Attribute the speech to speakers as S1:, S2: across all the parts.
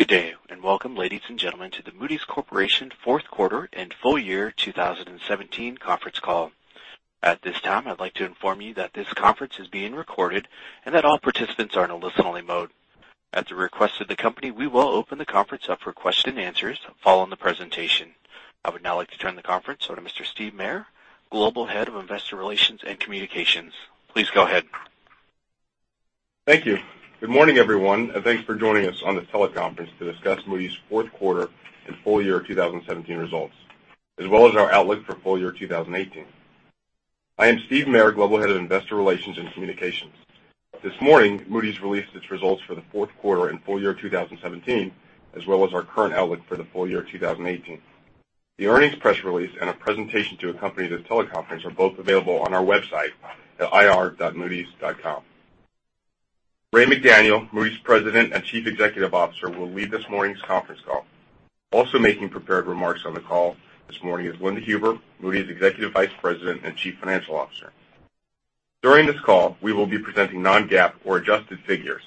S1: Good day. Welcome, ladies and gentlemen, to the Moody's Corporation fourth quarter and full year 2017 conference call. At this time, I'd like to inform you that this conference is being recorded, and that all participants are in a listen-only mode. At the request of the company, we will open the conference up for question and answers following the presentation. I would now like to turn the conference over to Mr. Steve Maire, Global Head of Investor Relations and Communications. Please go ahead.
S2: Thank you. Good morning, everyone. Thanks for joining us on this teleconference to discuss Moody's fourth quarter and full year 2017 results, as well as our outlook for full year 2018. I am Steve Maire, Global Head of Investor Relations and Communications. This morning, Moody's released its results for the fourth quarter and full year 2017, as well as our current outlook for the full year 2018. The earnings press release and a presentation to accompany this teleconference are both available on our website at ir.moodys.com. Ray McDaniel, Moody's President and Chief Executive Officer, will lead this morning's conference call. Also making prepared remarks on the call this morning is Linda Huber, Moody's Executive Vice President and Chief Financial Officer. During this call, we will be presenting non-GAAP or adjusted figures.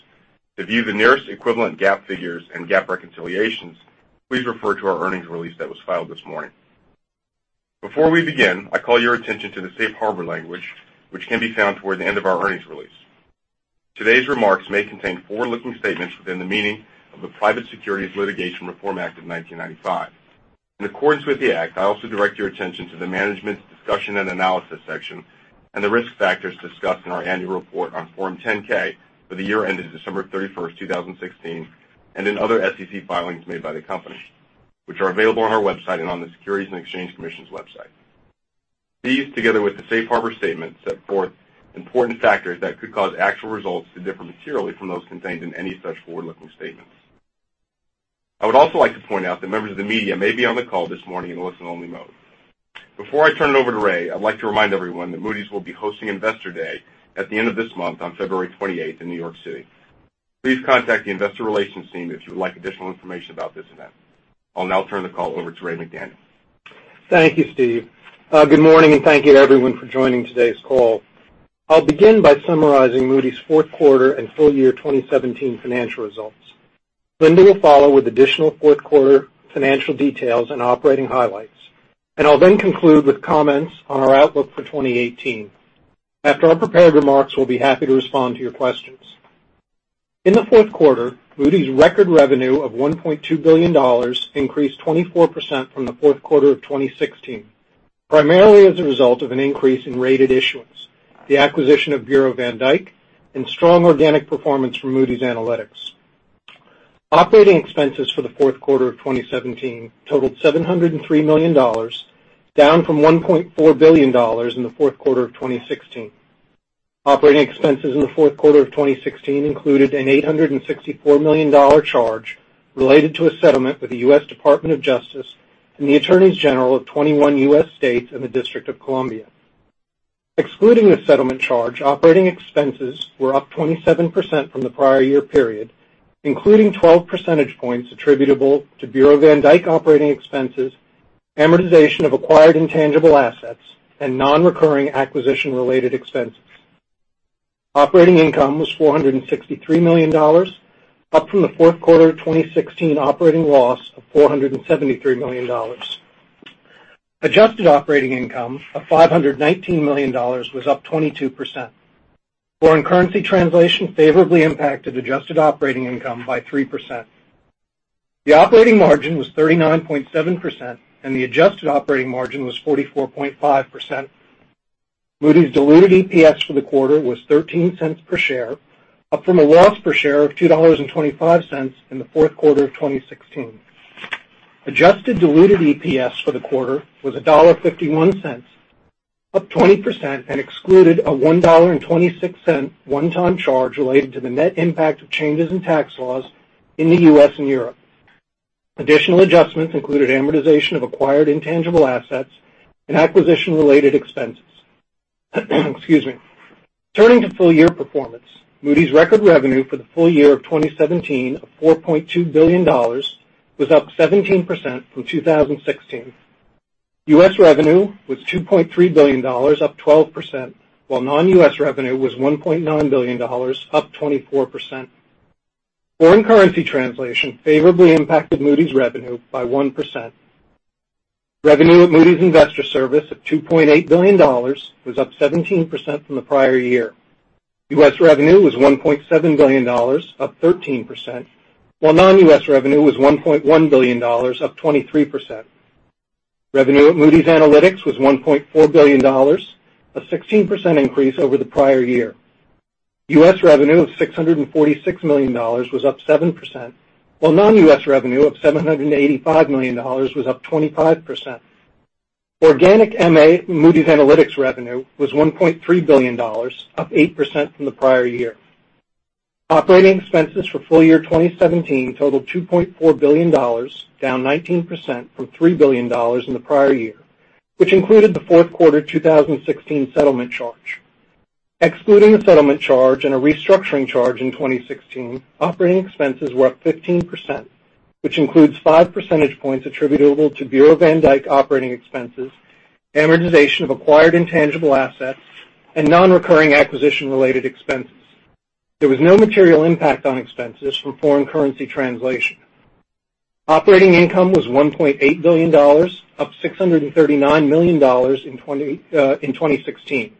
S2: To view the nearest equivalent GAAP figures and GAAP reconciliations, please refer to our earnings release that was filed this morning. Before we begin, I call your attention to the safe harbor language, which can be found toward the end of our earnings release. Today's remarks may contain forward-looking statements within the meaning of the Private Securities Litigation Reform Act of 1995. In accordance with the act, I also direct your attention to the Management's Discussion and Analysis section and the risk factors discussed in our annual report on Form 10-K for the year ended December 31st, 2016, and in other SEC filings made by the company, which are available on our website and on the Securities and Exchange Commission's website. These, together with the safe harbor statement, set forth important factors that could cause actual results to differ materially from those contained in any such forward-looking statements. I would also like to point out that members of the media may be on the call this morning in listen-only mode. Before I turn it over to Ray, I'd like to remind everyone that Moody's will be hosting Investor Day at the end of this month on February 28th in New York City. Please contact the investor relations team if you would like additional information about this event. I'll now turn the call over to Ray McDaniel.
S3: Thank you, Steve. Good morning, thank you everyone for joining today's call. I'll begin by summarizing Moody's fourth quarter and full year 2017 financial results. Linda will follow with additional fourth quarter financial details and operating highlights. I'll then conclude with comments on our outlook for 2018. After our prepared remarks, we'll be happy to respond to your questions. In the fourth quarter, Moody's record revenue of $1.2 billion increased 24% from the fourth quarter of 2016, primarily as a result of an increase in rated issuance, the acquisition of Bureau van Dijk, and strong organic performance from Moody's Analytics. Operating expenses for the fourth quarter of 2017 totaled $703 million, down from $1.4 billion in the fourth quarter of 2016. Operating expenses in the fourth quarter of 2016 included an $864 million charge related to a settlement with the U.S. Department of Justice and the attorneys general of 21 U.S. states and the District of Columbia. Excluding the settlement charge, operating expenses were up 27% from the prior year period, including 12 percentage points attributable to Bureau van Dijk operating expenses, amortization of acquired intangible assets, and non-recurring acquisition-related expenses. Operating income was $463 million, up from the fourth quarter 2016 operating loss of $473 million. Adjusted operating income of $519 million was up 22%. Foreign currency translation favorably impacted adjusted operating income by 3%. The operating margin was 39.7%. The adjusted operating margin was 44.5%. Moody's diluted EPS for the quarter was $0.13 per share, up from a loss per share of $2.25 in the fourth quarter of 2016. Adjusted diluted EPS for the quarter was $1.51, up 20%. Excluded a $1.26 one-time charge related to the net impact of changes in tax laws in the U.S. and Europe. Additional adjustments included amortization of acquired intangible assets and acquisition-related expenses. Excuse me. Turning to full-year performance, Moody's record revenue for the full year of 2017 of $4.2 billion was up 17% from 2016. U.S. revenue was $2.3 billion, up 12%, while non-U.S. revenue was $1.9 billion, up 24%. Foreign currency translation favorably impacted Moody's revenue by 1%. Revenue at Moody's Investors Service of $2.8 billion was up 17% from the prior year. U.S. revenue was $1.7 billion, up 13%, while non-U.S. revenue was $1.1 billion, up 23%. Revenue at Moody's Analytics was $1.4 billion, a 16% increase over the prior year. U.S. revenue of $646 million was up 7%, while non-U.S. revenue of $785 million was up 25%. Organic MA, Moody's Analytics revenue, was $1.3 billion, up 8% from the prior year. Operating expenses for full year 2017 totaled $2.4 billion, down 19% from $3 billion in the prior year, which included the fourth quarter 2016 settlement charge. Excluding the settlement charge and a restructuring charge in 2016, operating expenses were up 15%, which includes five percentage points attributable to Bureau van Dijk operating expenses, amortization of acquired intangible assets and non-recurring acquisition-related expenses. There was no material impact on expenses from foreign currency translation. Operating income was $1.8 billion, up $639 million in 2016,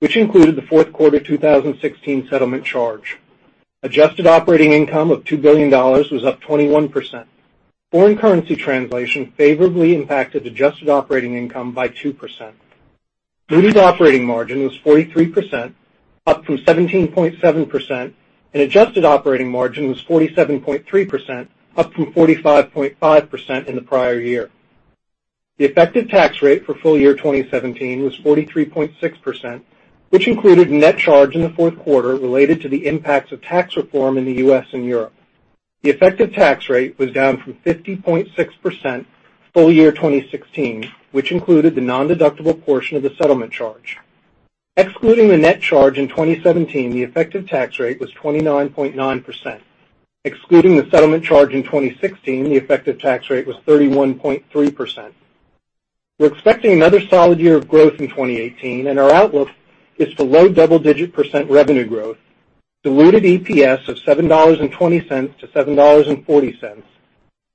S3: which included the fourth quarter 2016 settlement charge. Adjusted operating income of $2 billion was up 21%. Foreign currency translation favorably impacted adjusted operating income by 2%. Moody's operating margin was 43%, up from 17.7%, and adjusted operating margin was 47.3%, up from 45.5% in the prior year. The effective tax rate for full year 2017 was 43.6%, which included net charge in the fourth quarter related to the impacts of tax reform in the U.S. and Europe. The effective tax rate was down from 50.6% full year 2016, which included the non-deductible portion of the settlement charge. Excluding the net charge in 2017, the effective tax rate was 29.9%. Excluding the settlement charge in 2016, the effective tax rate was 31.3%. We're expecting another solid year of growth in 2018, our outlook is for low double-digit % revenue growth, diluted EPS of $7.20-$7.40,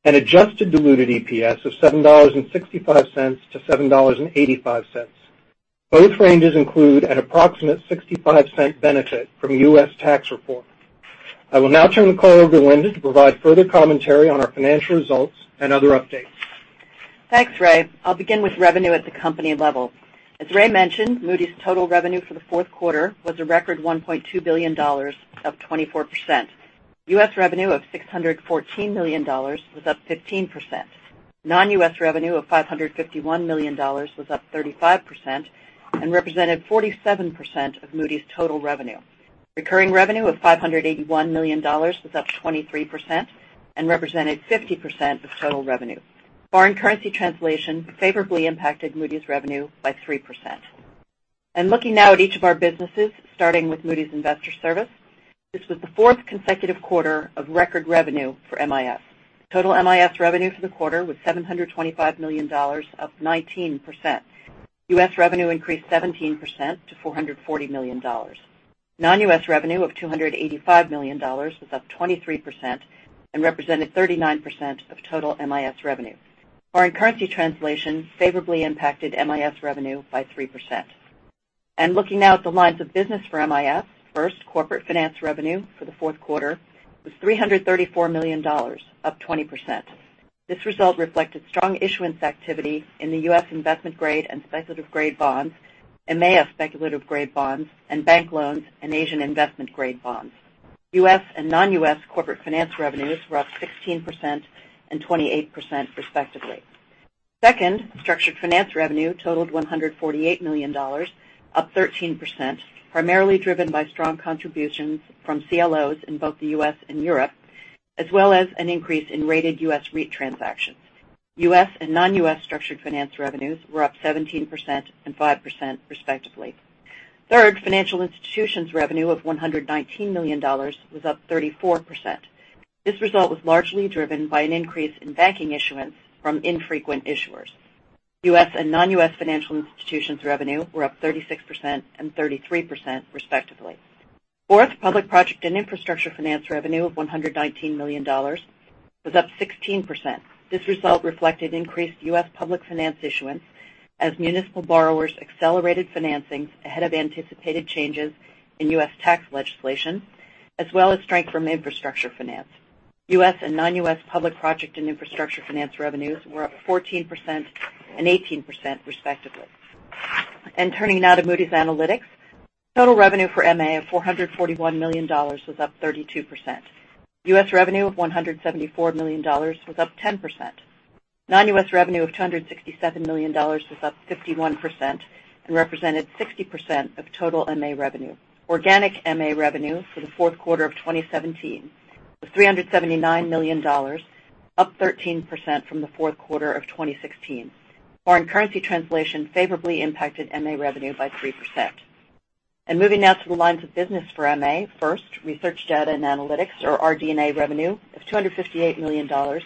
S3: and adjusted diluted EPS of $7.65-$7.85. Both ranges include an approximate $0.65 benefit from U.S. tax reform. I will now turn the call over to Linda to provide further commentary on our financial results and other updates.
S4: Thanks, Ray. I'll begin with revenue at the company level. As Ray mentioned, Moody's total revenue for the fourth quarter was a record $1.2 billion, up 24%. U.S. revenue of $614 million was up 15%. Non-U.S. revenue of $551 million was up 35% and represented 47% of Moody's total revenue. Recurring revenue of $581 million was up 23% and represented 50% of total revenue. Foreign currency translation favorably impacted Moody's revenue by 3%. Looking now at each of our businesses, starting with Moody's Investors Service. This was the fourth consecutive quarter of record revenue for MIS. Total MIS revenue for the quarter was $725 million, up 19%. U.S. revenue increased 17% to $440 million. Non-U.S. revenue of $285 million was up 23% and represented 39% of total MIS revenue. Foreign currency translation favorably impacted MIS revenue by 3%. Looking now at the lines of business for MIS. First, corporate finance revenue for the fourth quarter was $334 million, up 20%. This result reflected strong issuance activity in the U.S. investment-grade and speculative-grade bonds, EMEA speculative-grade bonds, and bank loans and Asian investment-grade bonds. U.S. and non-U.S. corporate finance revenues were up 16% and 28% respectively. Second, structured finance revenue totaled $148 million, up 13%, primarily driven by strong contributions from CLOs in both the U.S. and Europe, as well as an increase in rated U.S. REIT transactions. U.S. and non-U.S. structured finance revenues were up 17% and 5% respectively. Third, financial institutions revenue of $119 million was up 34%. This result was largely driven by an increase in banking issuance from infrequent issuers. U.S. and non-U.S. financial institutions revenue were up 36% and 33% respectively. Fourth, public project and infrastructure finance revenue of $119 million was up 16%. This result reflected increased U.S. public finance issuance as municipal borrowers accelerated financings ahead of anticipated changes in U.S. tax legislation, as well as strength from infrastructure finance. U.S. and non-U.S. public project and infrastructure finance revenues were up 14% and 18% respectively. Turning now to Moody's Analytics. Total revenue for MA of $441 million was up 32%. U.S. revenue of $174 million was up 10%. Non-U.S. revenue of $267 million was up 51% and represented 60% of total MA revenue. Organic MA revenue for the fourth quarter of 2017 was $379 million, up 13% from the fourth quarter of 2016. Foreign currency translation favorably impacted MA revenue by 3%. Moving now to the lines of business for MA. First, Research, Data & Analytics or RD&A revenue of $258 million was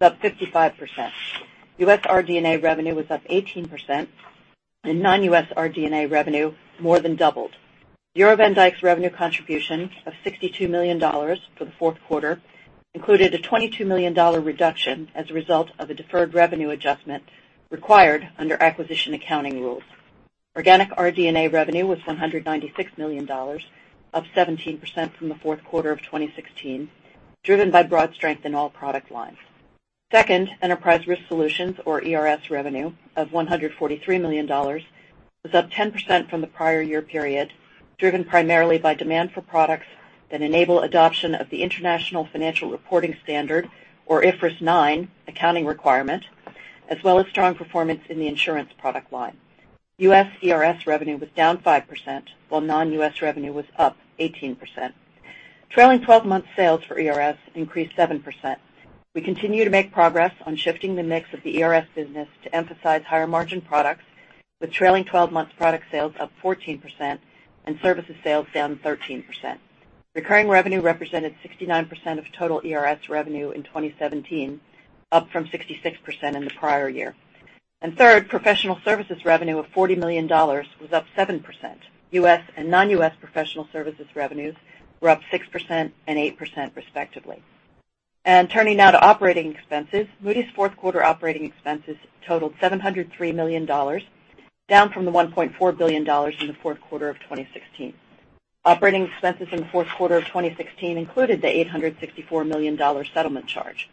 S4: up 55%. U.S. RD&A revenue was up 18% and non-U.S. RD&A revenue more than doubled. Bureau van Dijk's revenue contribution of $62 million for the fourth quarter included a $22 million reduction as a result of a deferred revenue adjustment required under acquisition accounting rules. Organic RD&A revenue was $196 million, up 17% from the fourth quarter of 2016, driven by broad strength in all product lines. Second, Enterprise Risk Solutions or ERS revenue of $143 million was up 10% from the prior year period, driven primarily by demand for products that enable adoption of the International Financial Reporting Standard or IFRS 9 accounting requirement, as well as strong performance in the insurance product line. U.S. ERS revenue was down 5%, while non-U.S. revenue was up 18%. Trailing 12-month sales for ERS increased 7%. We continue to make progress on shifting the mix of the ERS business to emphasize higher margin products, with trailing 12-month product sales up 14% and services sales down 13%. Recurring revenue represented 69% of total ERS revenue in 2017, up from 66% in the prior year. Third, professional services revenue of $40 million was up 7%. U.S. and non-U.S. professional services revenues were up 6% and 8%, respectively. Turning now to operating expenses. Moody's fourth quarter operating expenses totaled $703 million, down from the $1.4 billion in the fourth quarter of 2016. Operating expenses in the fourth quarter of 2016 included the $864 million settlement charge.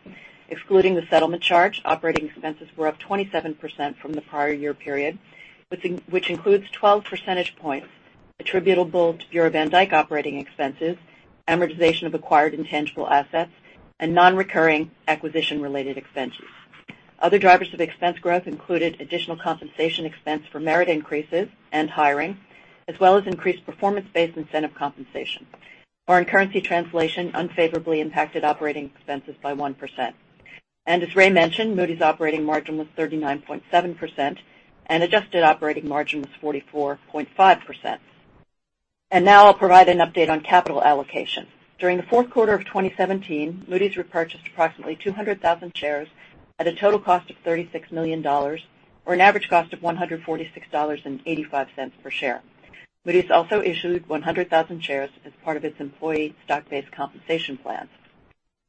S4: Excluding the settlement charge, operating expenses were up 27% from the prior year period, which includes 12 percentage points attributable to Bureau van Dijk operating expenses, amortization of acquired intangible assets, and non-recurring acquisition-related expenses. Other drivers of expense growth included additional compensation expense for merit increases and hiring, as well as increased performance-based incentive compensation. Foreign currency translation unfavorably impacted operating expenses by 1%. As Ray mentioned, Moody's operating margin was 39.7%, and adjusted operating margin was 44.5%. Now I'll provide an update on capital allocation. During the fourth quarter of 2017, Moody's repurchased approximately 200,000 shares at a total cost of $36 million, or an average cost of $146.85 per share. Moody's also issued 100,000 shares as part of its employee stock-based compensation plan.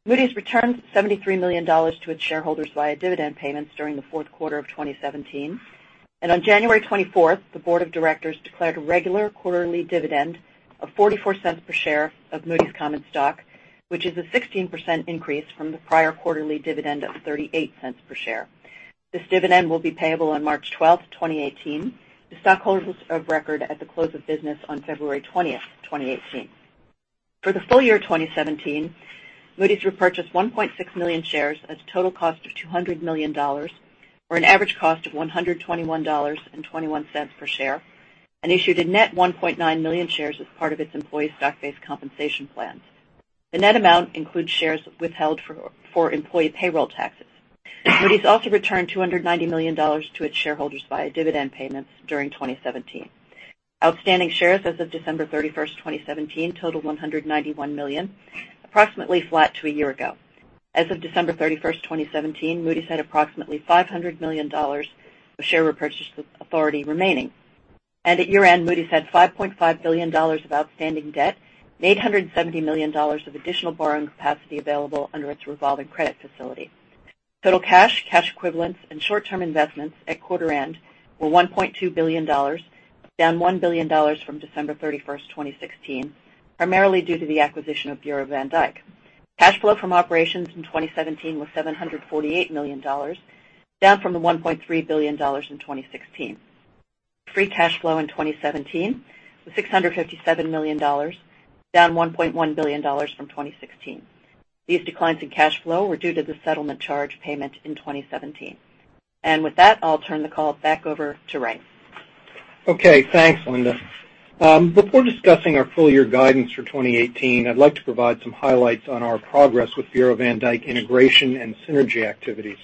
S4: Moody's returned $73 million to its shareholders via dividend payments during the fourth quarter of 2017. On January 24th, the board of directors declared a regular quarterly dividend of $0.44 per share of Moody's common stock, which is a 16% increase from the prior quarterly dividend of $0.38 per share. This dividend will be payable on March 12th, 2018 to stockholders of record at the close of business on February 20th, 2018. For the full year 2017, Moody's repurchased 1.6 million shares at a total cost of $200 million, or an average cost of $121.21 per share, and issued a net 1.9 million shares as part of its employee stock-based compensation plan. The net amount includes shares withheld for employee payroll taxes. Moody's also returned $290 million to its shareholders via dividend payments during 2017. Outstanding shares as of December 31st, 2017, totaled 191 million, approximately flat to a year ago. As of December 31st, 2017, Moody's had approximately $500 million of share repurchase authority remaining. At year-end, Moody's had $5.5 billion of outstanding debt and $870 million of additional borrowing capacity available under its revolving credit facility. Total cash equivalents, and short-term investments at quarter-end were $1.2 billion, down $1 billion from December 31st, 2016, primarily due to the acquisition of Bureau van Dijk. Cash flow from operations in 2017 was $748 million, down from the $1.3 billion in 2016. Free cash flow in 2017 was $657 million, down $1.1 billion from 2016. These declines in cash flow were due to the settlement charge payment in 2017. With that, I'll turn the call back over to Ray.
S3: Okay, thanks, Linda. Before discussing our full-year guidance for 2018, I'd like to provide some highlights on our progress with Bureau van Dijk integration and synergy activities.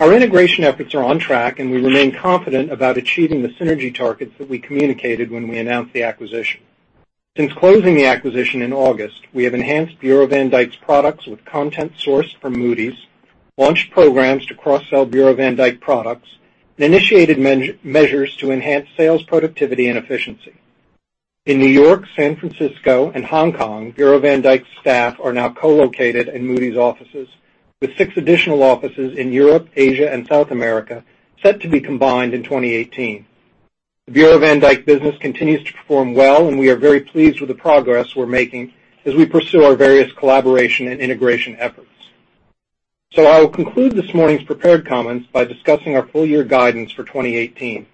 S3: Our integration efforts are on track, and we remain confident about achieving the synergy targets that we communicated when we announced the acquisition. Since closing the acquisition in August, we have enhanced Bureau van Dijk's products with content sourced from Moody's, launched programs to cross-sell Bureau van Dijk products, and initiated measures to enhance sales productivity and efficiency. In New York, San Francisco, and Hong Kong, Bureau van Dijk's staff are now co-located in Moody's offices, with six additional offices in Europe, Asia, and South America set to be combined in 2018. The Bureau van Dijk business continues to perform well, and we are very pleased with the progress we're making as we pursue our various collaboration and integration efforts. I will conclude this morning's prepared comments by discussing our full year guidance for 2018.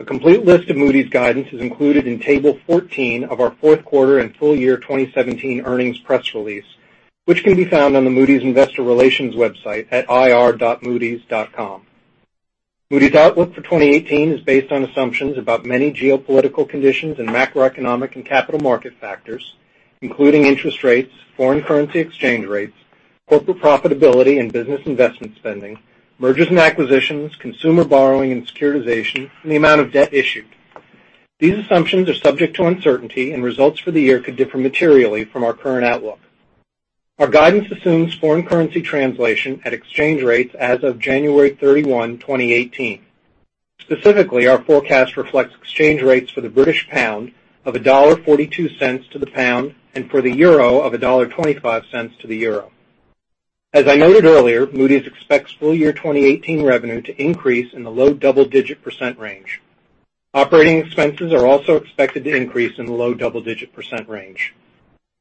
S3: A complete list of Moody's guidance is included in Table 14 of our fourth quarter and full year 2017 earnings press release, which can be found on the Moody's investor relations website at ir.moodys.com. Moody's outlook for 2018 is based on assumptions about many geopolitical conditions and macroeconomic and capital market factors, including interest rates, foreign currency exchange rates, corporate profitability and business investment spending, mergers and acquisitions, consumer borrowing and securitization, and the amount of debt issued. These assumptions are subject to uncertainty, and results for the year could differ materially from our current outlook. Our guidance assumes foreign currency translation at exchange rates as of January 31, 2018. Specifically, our forecast reflects exchange rates for the British pound of $1.42 to the pound, and for the euro of $1.25 to the euro. As I noted earlier, Moody's expects full-year 2018 revenue to increase in the low double-digit % range. Operating expenses are also expected to increase in the low double-digit % range.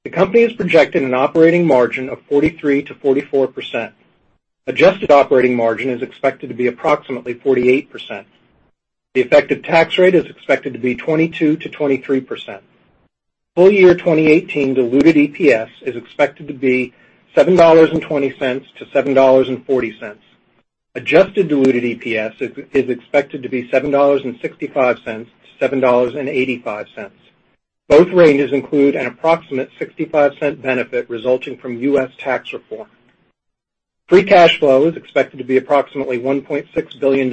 S3: The company has projected an operating margin of 43%-44%. Adjusted operating margin is expected to be approximately 48%. The effective tax rate is expected to be 22%-23%. Full-year 2018 diluted EPS is expected to be $7.20-$7.40. Adjusted diluted EPS is expected to be $7.65-$7.85. Both ranges include an approximate $0.65 benefit resulting from U.S. tax reform. Free cash flow is expected to be approximately $1.6 billion.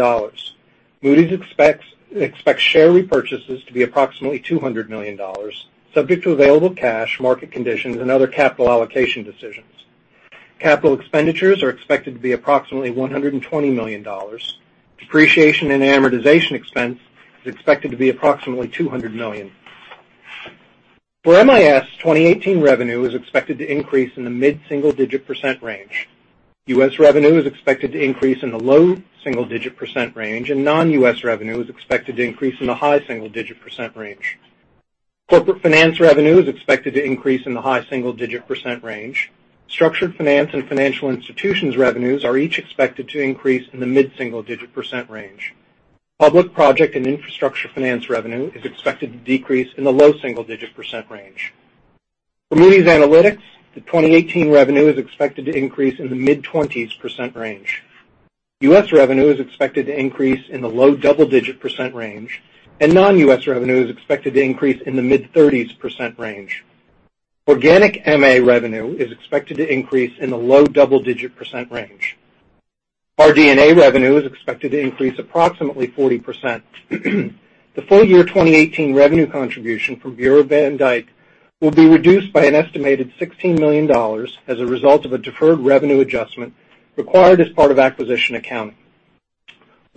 S3: Moody's expects share repurchases to be approximately $200 million subject to available cash, market conditions, and other capital allocation decisions. Capital expenditures are expected to be approximately $120 million. Depreciation and amortization expense is expected to be approximately $200 million. For MIS, 2018 revenue is expected to increase in the mid-single digit % range. U.S. revenue is expected to increase in the low single-digit % range, and non-U.S. revenue is expected to increase in the high single-digit % range. Corporate finance revenue is expected to increase in the high single-digit % range. Structured finance and financial institutions' revenues are each expected to increase in the mid-single digit % range. Public project and infrastructure finance revenue is expected to decrease in the low single-digit % range. For Moody's Analytics, the 2018 revenue is expected to increase in the mid-20s % range. U.S. revenue is expected to increase in the low double-digit % range, and non-U.S. revenue is expected to increase in the mid-30s % range. Organic MA revenue is expected to increase in the low double-digit % range. RD&A revenue is expected to increase approximately 40%. The full-year 2018 revenue contribution from Bureau van Dijk will be reduced by an estimated $16 million as a result of a deferred revenue adjustment required as part of acquisition accounting.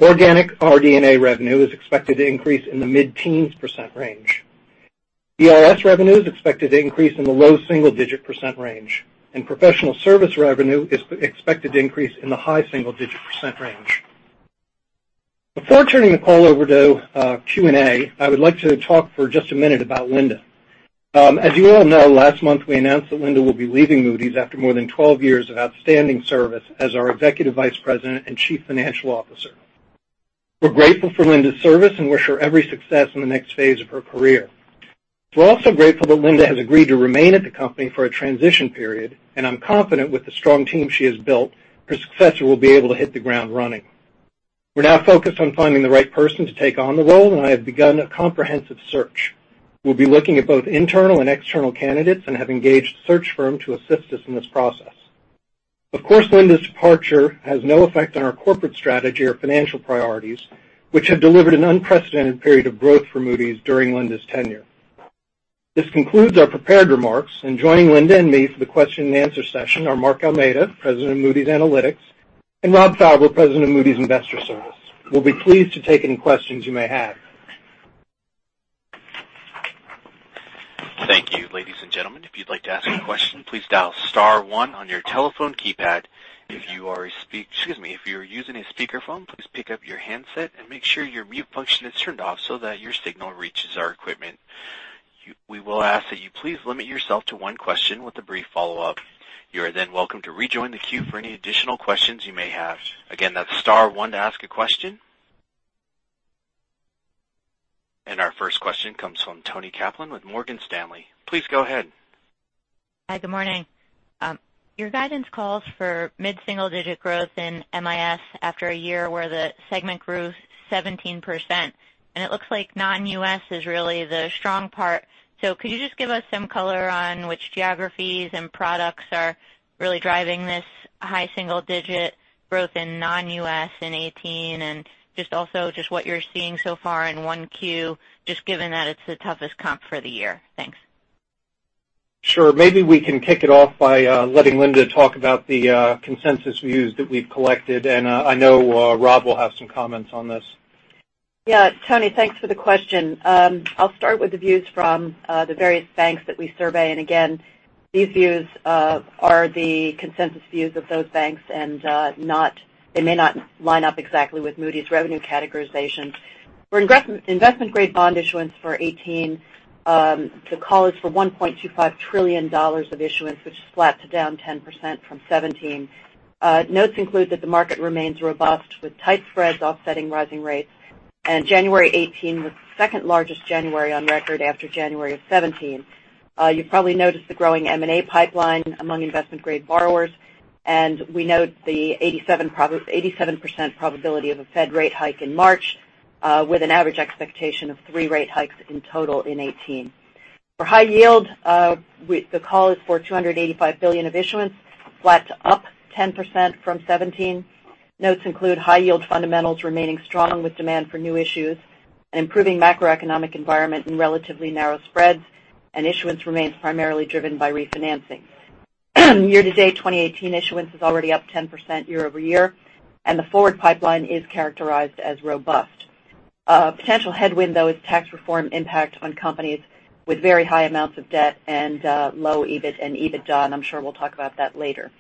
S3: Organic RD&A revenue is expected to increase in the mid-teens % range. ERS revenue is expected to increase in the low single-digit % range, and professional service revenue is expected to increase in the high single-digit % range. Before turning the call over to Q&A, I would like to talk for just a minute about Linda. As you all know, last month we announced that Linda will be leaving Moody's after more than 12 years of outstanding service as our Executive Vice President and Chief Financial Officer. We're grateful for Linda's service and wish her every success in the next phase of her career. We're also grateful that Linda has agreed to remain at the company for a transition period. I'm confident with the strong team she has built, her successor will be able to hit the ground running. We're now focused on finding the right person to take on the role. I have begun a comprehensive search. We'll be looking at both internal and external candidates and have engaged a search firm to assist us in this process. Of course, Linda's departure has no effect on our corporate strategy or financial priorities, which have delivered an unprecedented period of growth for Moody's during Linda's tenure. This concludes our prepared remarks. Joining Linda and me for the question and answer session are Mark Almeida, President of Moody's Analytics, and Rob Fauber, President of Moody's Investors Service. We'll be pleased to take any questions you may have.
S1: Thank you. Ladies and gentlemen, if you'd like to ask a question, please dial star one on your telephone keypad. If you are, excuse me. If you're using a speakerphone, please pick up your handset and make sure your mute function is turned off so that your signal reaches our equipment. We will ask that you please limit yourself to one question with a brief follow-up. You are welcome to rejoin the queue for any additional questions you may have. Again, that's star one to ask a question. Our first question comes from Toni Kaplan with Morgan Stanley. Please go ahead.
S5: Hi. Good morning. Your guidance calls for mid-single digit growth in MIS after a year where the segment grew 17%. It looks like non-U.S. is really the strong part. Could you just give us some color on which geographies and products are really driving this high single digit growth in non-U.S. in 2018, also what you're seeing so far in 1Q, just given that it's the toughest comp for the year? Thanks.
S3: Sure. Maybe we can kick it off by letting Linda talk about the consensus views that we've collected. I know Rob will have some comments on this.
S4: Yeah, Toni, thanks for the question. I'll start with the views from the various banks that we survey, these views are the consensus views of those banks, they may not line up exactly with Moody's revenue categorization. For investment-grade bond issuance for 2018, the call is for $1.25 trillion of issuance, which is flat to down 10% from 2017. Notes include that the market remains robust with tight spreads offsetting rising rates. January 2018 was the second largest January on record after January of 2017. You probably noticed the growing M&A pipeline among investment-grade borrowers, we note the 87% probability of a Fed rate hike in March with an average expectation of three rate hikes in total in 2018. For high yield, the call is for $285 billion of issuance, flat to up 10% from 2017. Notes include high-yield fundamentals remaining strong with demand for new issues and improving macroeconomic environment in relatively narrow spreads. Issuance remains primarily driven by refinancing. Year-to-date 2018 issuance is already up 10% year-over-year. The forward pipeline is characterized as robust. A potential headwind, though, is tax reform impact on companies with very high amounts of debt and low EBIT and EBITDA. I'm sure we'll talk about that later.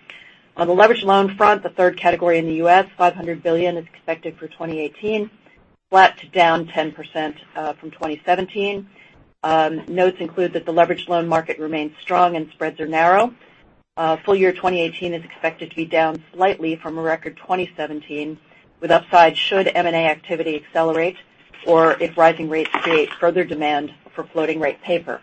S4: On the leveraged loan front, the third category in the U.S., $500 billion is expected for 2018, flat to down 10% from 2017. Notes include that the leveraged loan market remains strong. Spreads are narrow. Full year 2018 is expected to be down slightly from a record 2017 with upside should M&A activity accelerate or if rising rates create further demand for floating rate paper.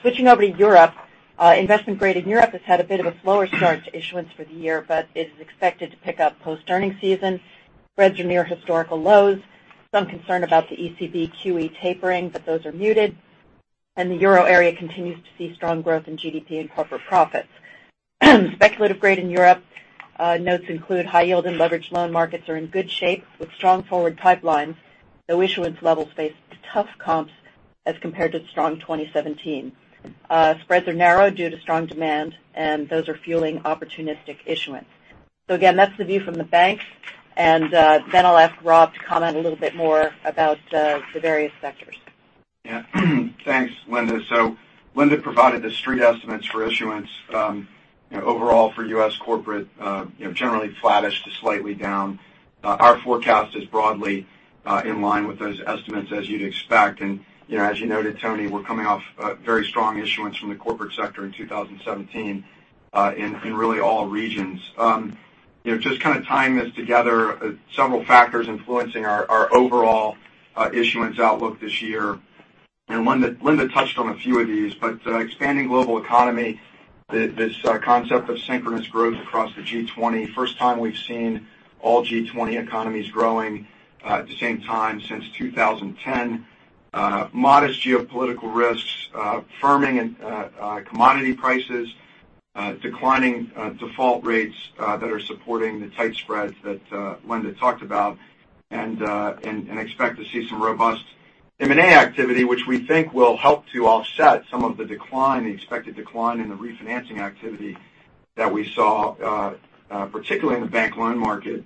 S4: Switching over to Europe, investment grade in Europe has had a bit of a slower start to issuance for the year. It is expected to pick up post-earnings season. Spreads are near historical lows. Some concern about the ECB QE tapering, but those are muted. The Euro area continues to see strong growth in GDP and corporate profits. Speculative grade in Europe notes include high yield and leverage loan markets are in good shape with strong forward pipelines, though issuance levels face tough comps as compared to strong 2017. Spreads are narrow due to strong demand. Those are fueling opportunistic issuance. Again, that's the view from the banks. I'll ask Rob to comment a little bit more about the various sectors.
S6: Thanks, Linda. Linda provided the Street estimates for issuance overall for U.S. corporate, generally flattish to slightly down. Our forecast is broadly in line with those estimates, as you'd expect. As you noted, Toni, we're coming off a very strong issuance from the corporate sector in 2017 in really all regions. Just kind of tying this together, several factors influencing our overall issuance outlook this year. Linda touched on a few of these, expanding global economy, this concept of synchronous growth across the G20, first time we've seen all G20 economies growing at the same time since 2010. Modest geopolitical risks, firming commodity prices, declining default rates that are supporting the tight spreads that Linda talked about. We expect to see some robust M&A activity, which we think will help to offset some of the decline, the expected decline in the refinancing activity that we saw, particularly in the bank loan market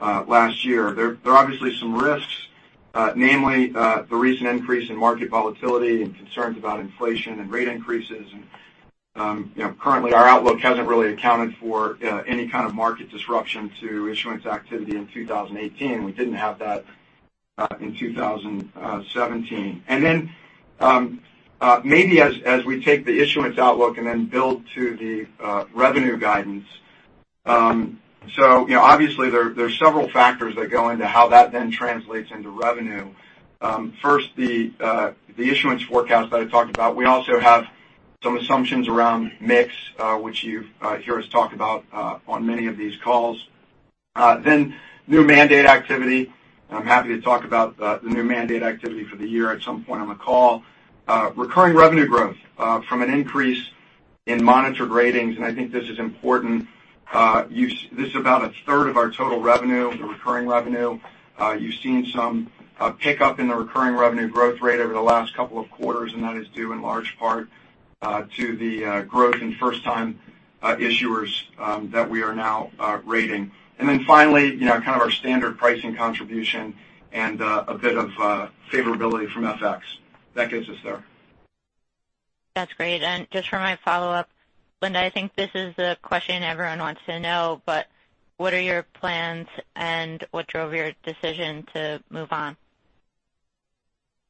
S6: last year. There are obviously some risks, namely, the recent increase in market volatility, concerns about inflation and rate increases. Currently our outlook hasn't really accounted for any kind of market disruption to issuance activity in 2018. We didn't have that in 2017. Maybe as we take the issuance outlook and build to the revenue guidance. Obviously there's several factors that go into how that then translates into revenue. The issuance forecast that I talked about, we also have some assumptions around mix, which you hear us talk about on many of these calls. New mandate activity. I'm happy to talk about the new mandate activity for the year at some point on the call. Recurring revenue growth from an increase in monitored ratings, and I think this is important. This is about a third of our total revenue, the recurring revenue. You've seen some pickup in the recurring revenue growth rate over the last couple of quarters, and that is due in large part to the growth in first-time issuers that we are now rating. Finally, kind of our standard pricing contribution and a bit of favorability from FX. That gets us there.
S5: That's great. Just for my follow-up, Linda, I think this is the question everyone wants to know, what are your plans and what drove your decision to move on?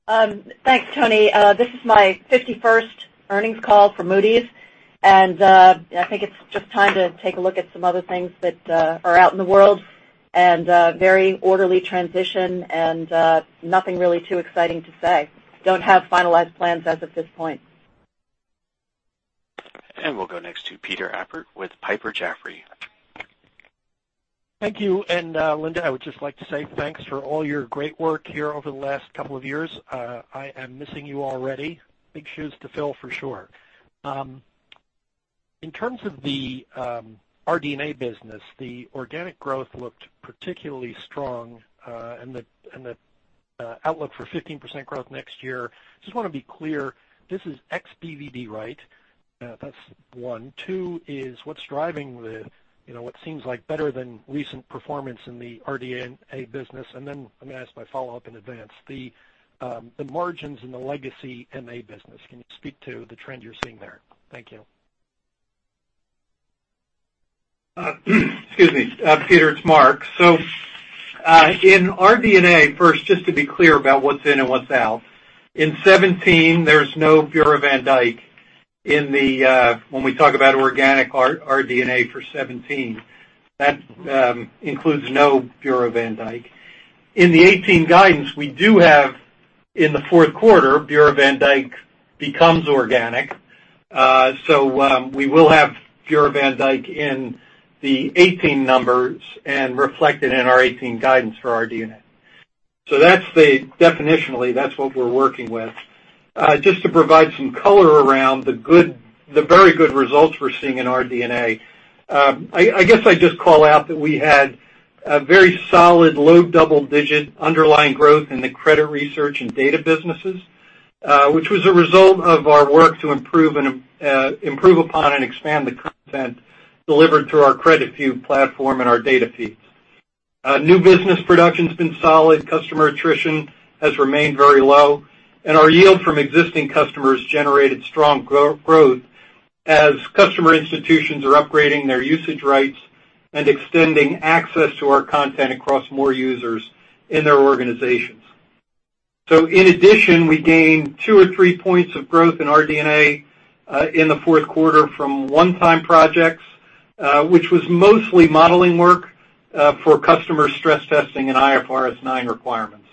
S4: Thanks, Toni. This is my 51st earnings call for Moody's, and I think it's just time to take a look at some other things that are out in the world and very orderly transition and nothing really too exciting to say. Don't have finalized plans as of this point.
S1: We'll go next to Peter Appert with Piper Jaffray.
S7: Thank you. Linda, I would just like to say thanks for all your great work here over the last couple of years. I am missing you already. Big shoes to fill for sure. In terms of the RD&A business, the organic growth looked particularly strong, and the outlook for 15% growth next year. I just want to be clear, this is ex BvD, right? That's one. Two is what's driving what seems like better than recent performance in the RD&A business. Then I'm going to ask my follow-up in advance. The margins in the legacy MA business, can you speak to the trend you're seeing there? Thank you.
S8: Excuse me, Peter, it's Mark. In RD&A, first, just to be clear about what's in and what's out. In 2017, there's no Bureau van Dijk. When we talk about organic RD&A for 2017, that includes no Bureau van Dijk. In the 2018 guidance we do have in the fourth quarter, Bureau van Dijk becomes organic. We will have Bureau van Dijk in the 2018 numbers and reflected in our 2018 guidance for RD&A. Definitionally, that's what we're working with. Just to provide some color around the very good results we're seeing in RD&A. I guess I'd just call out that we had a very solid low double-digit underlying growth in the credit research and data businesses, which was a result of our work to improve upon and expand the content delivered through our CreditView platform and our data feeds. New business production's been solid. Customer attrition has remained very low. Our yield from existing customers generated strong growth as customer institutions are upgrading their usage rights and extending access to our content across more users in their organizations. In addition, we gained two or three points of growth in RD&A in the fourth quarter from one-time projects, which was mostly modeling work for customer stress testing and IFRS 9 requirements.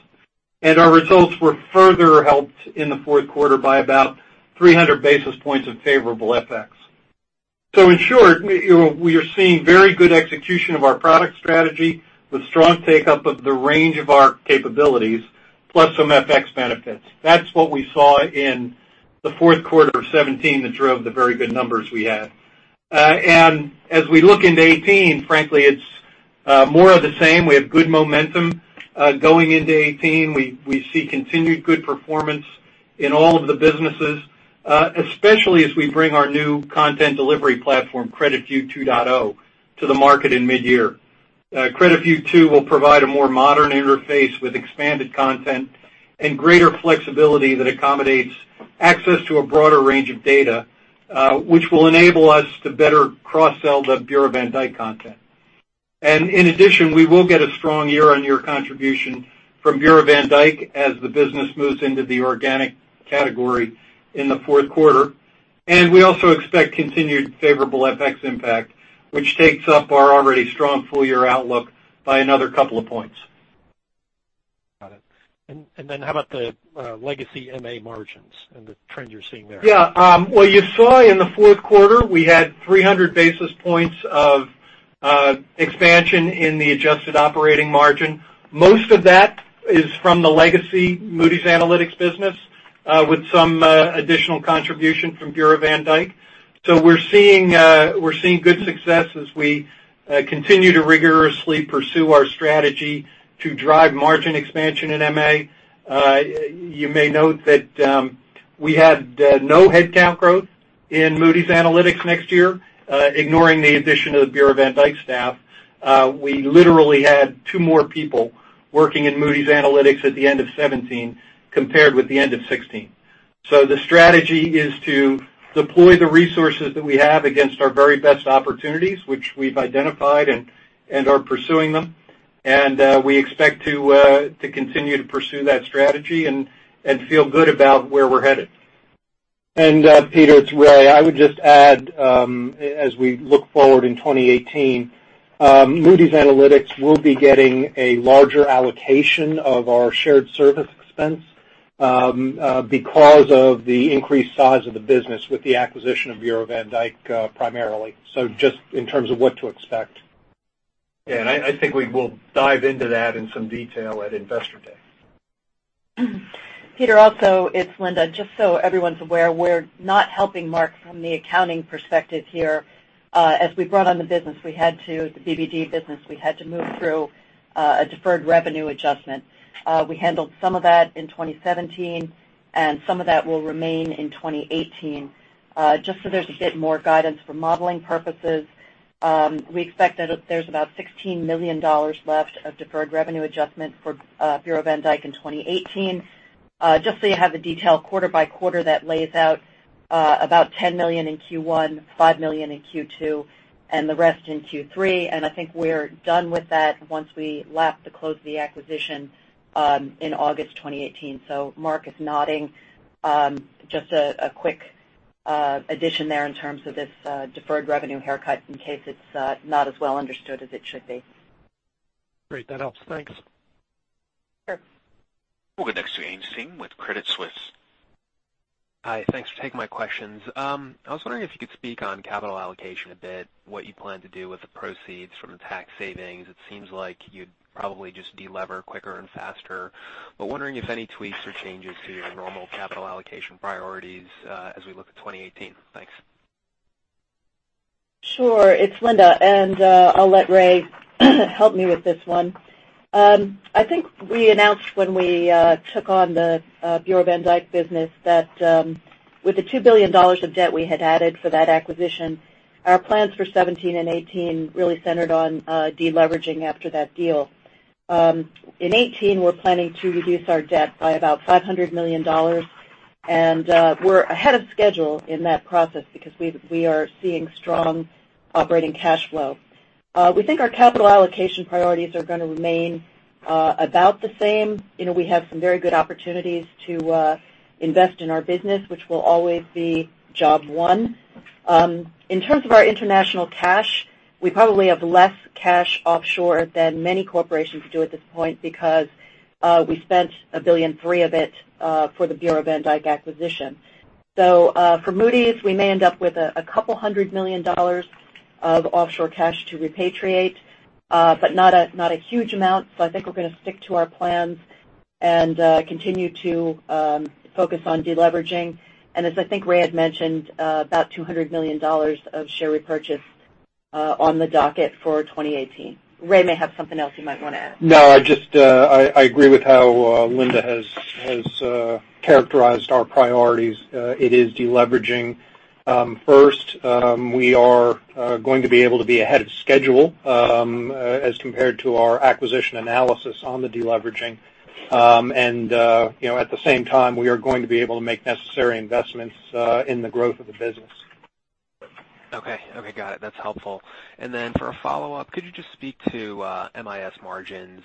S8: Our results were further helped in the fourth quarter by about 300 basis points of favorable FX. In short, we are seeing very good execution of our product strategy with strong take-up of the range of our capabilities, plus some FX benefits. That's what we saw in the fourth quarter of 2017 that drove the very good numbers we had. As we look into 2018, frankly, it's more of the same. We have good momentum going into 2018. We see continued good performance in all of the businesses, especially as we bring our new content delivery platform, CreditView 2.0, to the market in mid-year. CreditView 2 will provide a more modern interface with expanded content and greater flexibility that accommodates access to a broader range of data, which will enable us to better cross-sell the Bureau van Dijk content. In addition, we will get a strong year-on-year contribution from Bureau van Dijk as the business moves into the organic category in the fourth quarter. We also expect continued favorable FX impact, which takes up our already strong full-year outlook by another couple of points.
S7: Got it. How about the legacy MA margins and the trend you're seeing there?
S8: Well, you saw in the fourth quarter, we had 300 basis points of expansion in the adjusted operating margin. Most of that is from the legacy Moody's Analytics business, with some additional contribution from Bureau van Dijk. We're seeing good success as we continue to rigorously pursue our strategy to drive margin expansion in MA. You may note that we had no headcount growth in Moody's Analytics next year, ignoring the addition of the Bureau van Dijk staff. We literally had two more people working in Moody's Analytics at the end of 2017 compared with the end of 2016. The strategy is to deploy the resources that we have against our very best opportunities, which we've identified and are pursuing them. We expect to continue to pursue that strategy and feel good about where we're headed.
S3: Peter, it's Ray. I would just add, as we look forward in 2018, Moody's Analytics will be getting a larger allocation of our shared service expense because of the increased size of the business with the acquisition of Bureau van Dijk, primarily. Just in terms of what to expect.
S8: Yeah, I think we will dive into that in some detail at Investor Day.
S4: Peter, also, it is Linda. Just so everyone is aware, we are not helping Mark from the accounting perspective here. As we brought on the BvD business, we had to move through a deferred revenue adjustment. We handled some of that in 2017, some of that will remain in 2018. Just so there is a bit more guidance for modeling purposes, we expect that there is about $16 million left of deferred revenue adjustment for Bureau van Dijk in 2018. Just so you have the detail quarter by quarter that lays out about $10 million in Q1, $5 million in Q2, the rest in Q3. I think we are done with that once we lap the close of the acquisition in August 2018. Mark is nodding. Just a quick addition there in terms of this deferred revenue haircut in case it is not as well understood as it should be.
S7: Great. That helps. Thanks.
S4: Sure.
S1: We will go next to Ames Singh with Credit Suisse.
S9: Hi. Thanks for taking my questions. I was wondering if you could speak on capital allocation a bit, what you plan to do with the proceeds from the tax savings. It seems like you'd probably just de-lever quicker and faster, but wondering if any tweaks or changes to your normal capital allocation priorities as we look at 2018. Thanks.
S4: Sure. It's Linda, and I'll let Ray help me with this one. I think we announced when we took on the Bureau van Dijk business that with the $2 billion of debt we had added for that acquisition, our plans for 2017 and 2018 really centered on de-leveraging after that deal. In 2018, we're planning to reduce our debt by about $500 million, and we're ahead of schedule in that process because we are seeing strong operating cash flow. We think our capital allocation priorities are going to remain about the same. We have some very good opportunities to invest in our business, which will always be job one. In terms of our international cash, we probably have less cash offshore than many corporations do at this point because we spent $1.3 billion of it for the Bureau van Dijk acquisition. For Moody's, we may end up with $200 million of offshore cash to repatriate, but not a huge amount. I think we're going to stick to our plans and continue to focus on de-leveraging. As I think Ray had mentioned, about $200 million of share repurchase on the docket for 2018. Ray may have something else he might want to add.
S3: No, I agree with how Linda has characterized our priorities. It is de-leveraging first. We are going to be able to be ahead of schedule as compared to our acquisition analysis on the de-leveraging. At the same time, we are going to be able to make necessary investments in the growth of the business.
S9: Okay. Got it. That's helpful. Then for a follow-up, could you just speak to MIS margins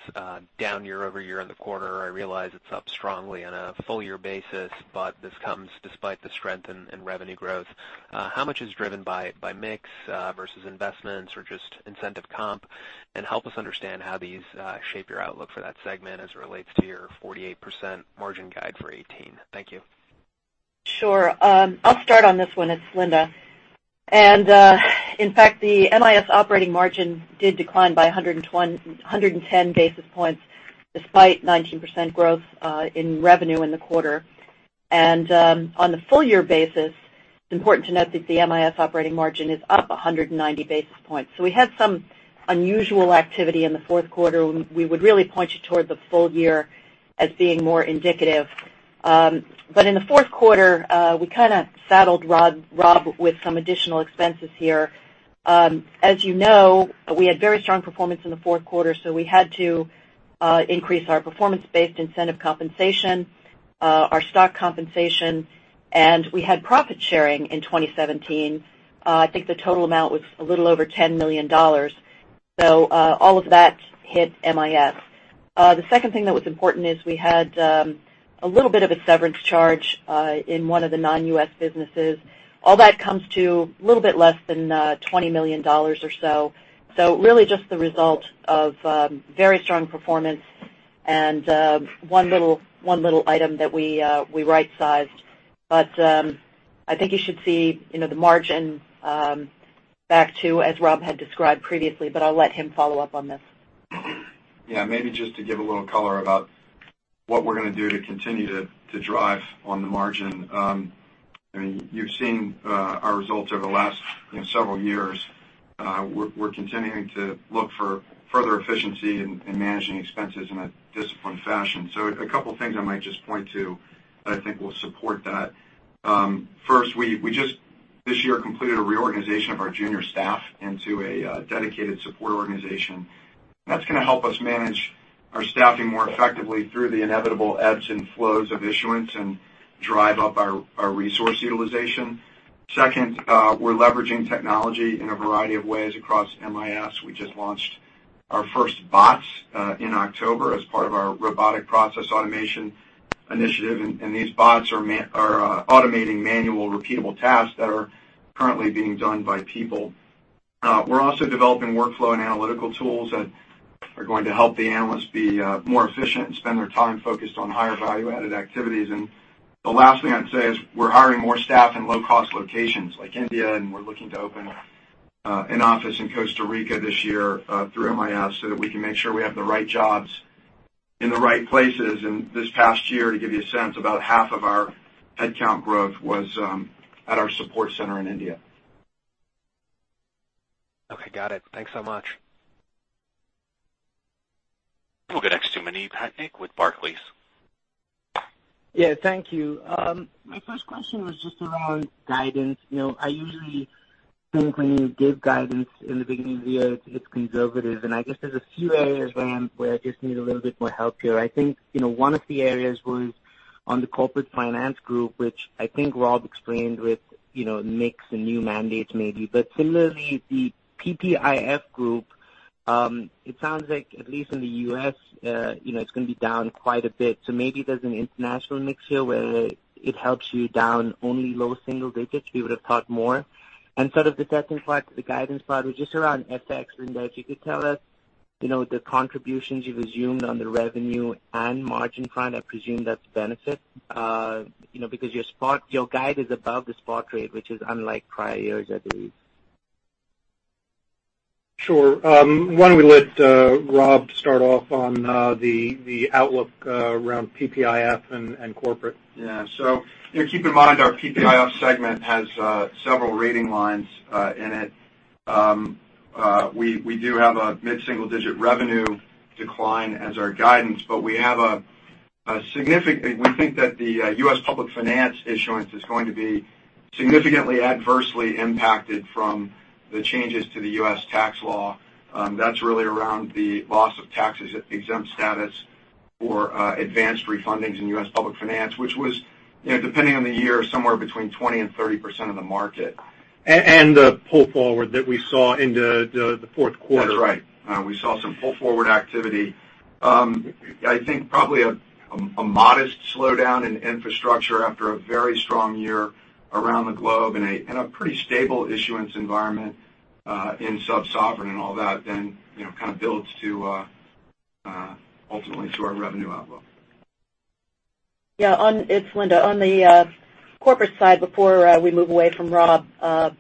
S9: down year-over-year in the quarter? I realize it's up strongly on a full-year basis, but this comes despite the strength in revenue growth. How much is driven by mix versus investments or just incentive comp? Help us understand how these shape your outlook for that segment as it relates to your 48% margin guide for 2018. Thank you.
S4: Sure. I'll start on this one. It's Linda. In fact, the MIS operating margin did decline by 110 basis points despite 19% growth in revenue in the quarter. On the full-year basis, it's important to note that the MIS operating margin is up 190 basis points. We had some unusual activity in the fourth quarter. We would really point you toward the full year as being more indicative. In the fourth quarter, we kind of saddled Rob with some additional expenses here. As you know, we had very strong performance in the fourth quarter, so we had to increase our performance-based incentive compensation, our stock compensation, and we had profit sharing in 2017. I think the total amount was a little over $10 million. All of that hit MIS. The second thing that was important is we had a little bit of a severance charge in one of the non-U.S. businesses. All that comes to a little bit less than $20 million or so. Really just the result of very strong performance and one little item that we rightsized. I think you should see the margin back to as Rob had described previously, but I'll let him follow up on this.
S6: Yeah. Maybe just to give a little color about what we're going to do to continue to drive on the margin. You've seen our results over the last several years. We're continuing to look for further efficiency in managing expenses in a disciplined fashion. A couple of things I might just point to that I think will support that. First, we just this year completed a reorganization of our junior staff into a dedicated support organization. That's going to help us manage our staffing more effectively through the inevitable ebbs and flows of issuance and drive up our resource utilization. Second, we're leveraging technology in a variety of ways across MIS. We just launched our first bots in October as part of our robotic process automation initiative, and these bots are automating manual repeatable tasks that are currently being done by people. We're also developing workflow and analytical tools that are going to help the analysts be more efficient and spend their time focused on higher value-added activities. The last thing I'd say is we're hiring more staff in low-cost locations like India, and we're looking to open an office in Costa Rica this year through MIS so that we can make sure we have the right jobs in the right places. This past year, to give you a sense, about half of our headcount growth was at our support center in India.
S9: Okay, got it. Thanks so much.
S1: We'll go next to Manav Patnaik with Barclays.
S10: Yeah, thank you. My first question was just around guidance. I usually think when you give guidance in the beginning of the year, it's conservative, I guess there's a few areas where I just need a little bit more help here. I think one of the areas was on the corporate finance group, which I think Rob explained with mix and new mandates maybe. Similarly, the PPIF group, it sounds like at least in the U.S. it's going to be down quite a bit. Maybe there's an international mix here where it helps you down only low single digits. We would've thought more. Sort of interesting part: the guidance part was just around FX. Linda, if you could tell us the contributions you've assumed on the revenue and margin front, I presume that's a benefit because your guide is above the spot rate, which is unlike prior years, I believe.
S3: Sure. Why don't we let Rob start off on the outlook around PPIF and corporate?
S6: Keep in mind, our PPIF segment has several rating lines in it. We do have a mid-single-digit revenue decline as our guidance, but we think that the U.S. public finance issuance is going to be significantly adversely impacted from the changes to the U.S. tax law. That's really around the loss of tax-exempt status for advanced refundings in U.S. public finance, which was, depending on the year, somewhere between 20% and 30% of the market. The pull forward that we saw in the fourth quarter. That's right. We saw some pull forward activity. I think probably a modest slowdown in infrastructure after a very strong year around the globe and a pretty stable issuance environment in sub-sovereign and all that then kind of builds ultimately to our revenue outlook.
S4: It's Linda. On the corporate side, before we move away from Rob, I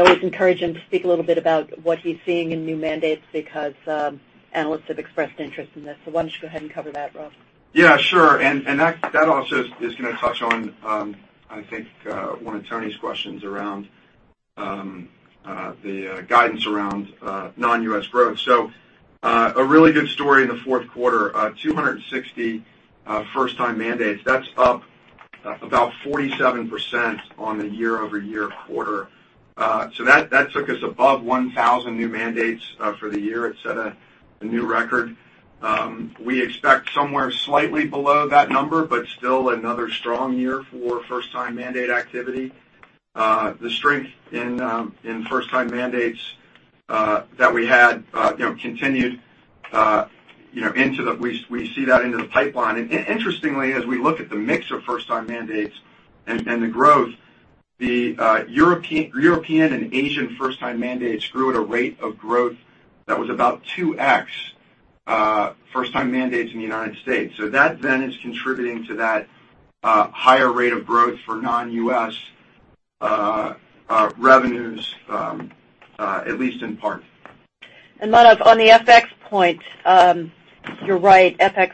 S4: always encourage him to speak a little bit about what he's seeing in new mandates because analysts have expressed interest in this. Why don't you go ahead and cover that, Rob?
S6: Sure. That also is going to touch on I think one of Toni's questions around the guidance around non-U.S. growth. A really good story in the fourth quarter, 260 first-time mandates. That's up about 47% on the year-over-year quarter. That took us above 1,000 new mandates for the year. It set a new record. We expect somewhere slightly below that number, but still another strong year for first-time mandate activity. The strength in first-time mandates that we had continued. We see that into the pipeline. Interestingly, as we look at the mix of first-time mandates and the growth The European and Asian first-time mandates grew at a rate of growth that was about 2x first-time mandates in the U.S. That then is contributing to that higher rate of growth for non-U.S. revenues, at least in part.
S4: Manav, on the FX point, you're right. FX,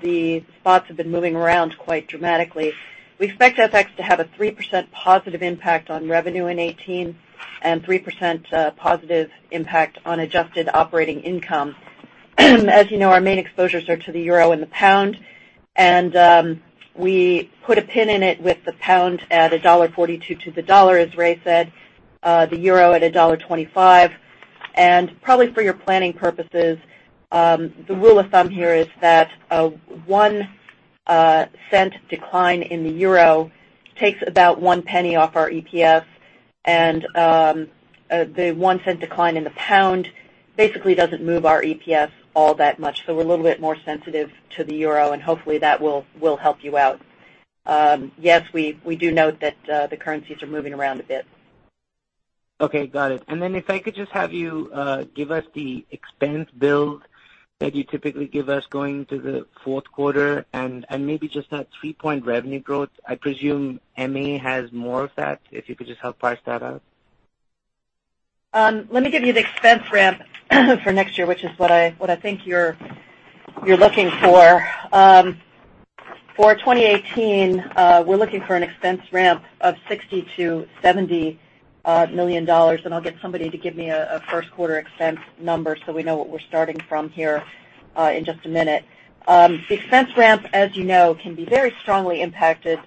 S4: the spots have been moving around quite dramatically. We expect FX to have a 3% positive impact on revenue in 2018, and 3% positive impact on adjusted operating income. As you know, our main exposures are to the euro and the pound, and we put a pin in it with the pound at $1.42 to the dollar, as Ray said, the euro at $1.25. Probably for your planning purposes, the rule of thumb here is that a $0.01 decline in the euro takes about $0.01 off our EPS. The $0.01 decline in the pound basically doesn't move our EPS all that much. We're a little bit more sensitive to the euro, and hopefully that will help you out. We do note that the currencies are moving around a bit.
S10: Okay, got it. If I could just have you give us the expense build that you typically give us going into the fourth quarter and maybe just that 3-point revenue growth. I presume MA has more of that, if you could just help price that out.
S4: Let me give you the expense ramp for next year, which is what I think you're looking for. For 2018, we're looking for an expense ramp of $60 million-$70 million. I'll get somebody to give me a first quarter expense number so we know what we're starting from here in just a minute. The expense ramp, as you know, can be very strongly impacted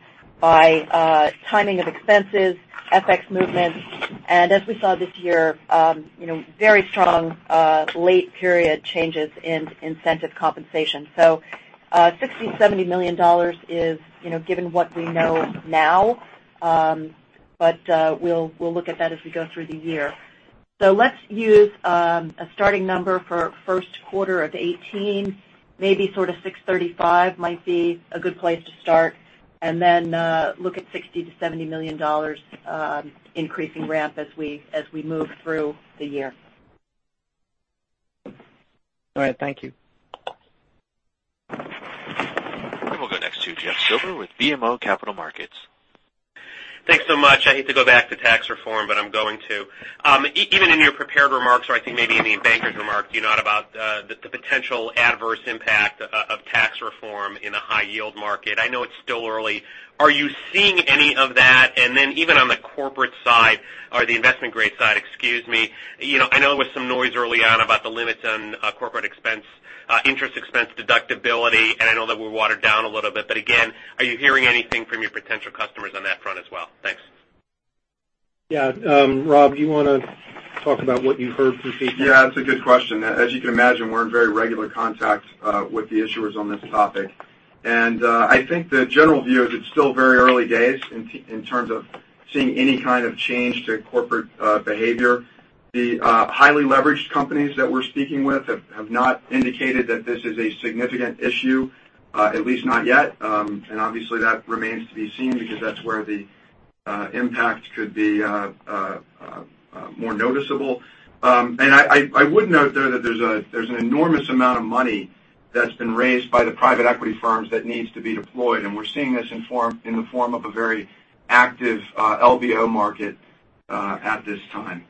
S4: by timing of expenses, FX movements, and as we saw this year, very strong late period changes in incentive compensation. $60 million, $70 million is given what we know now. We'll look at that as we go through the year. Let's use a starting number for first quarter of 2018, maybe sort of $635 million might be a good place to start. Then look at $60 million-$70 million increasing ramp as we move through the year.
S10: All right. Thank you.
S1: We'll go next to Jeff Silber with BMO Capital Markets.
S11: Thanks so much. I hate to go back to tax reform, but I'm going to. Even in your prepared remarks or I think maybe in Bankers' remarks, you note about the potential adverse impact of tax reform in a high yield market. I know it's still early. Are you seeing any of that? Even on the corporate side or the investment grade side, excuse me, I know there was some noise early on about the limits on corporate interest expense deductibility, and I know that were watered down a little bit, but again, are you hearing anything from your potential customers on that front as well? Thanks.
S3: Yeah. Rob, do you want to talk about what you've heard from people?
S6: Yeah, it's a good question. As you can imagine, we're in very regular contact with the issuers on this topic. I think the general view is it's still very early days in terms of seeing any kind of change to corporate behavior. The highly leveraged companies that we're speaking with have not indicated that this is a significant issue, at least not yet. Obviously that remains to be seen because that's where the impact could be more noticeable. I would note, though, that there's an enormous amount of money that's been raised by the private equity firms that needs to be deployed. We're seeing this in the form of a very active LBO market at this time.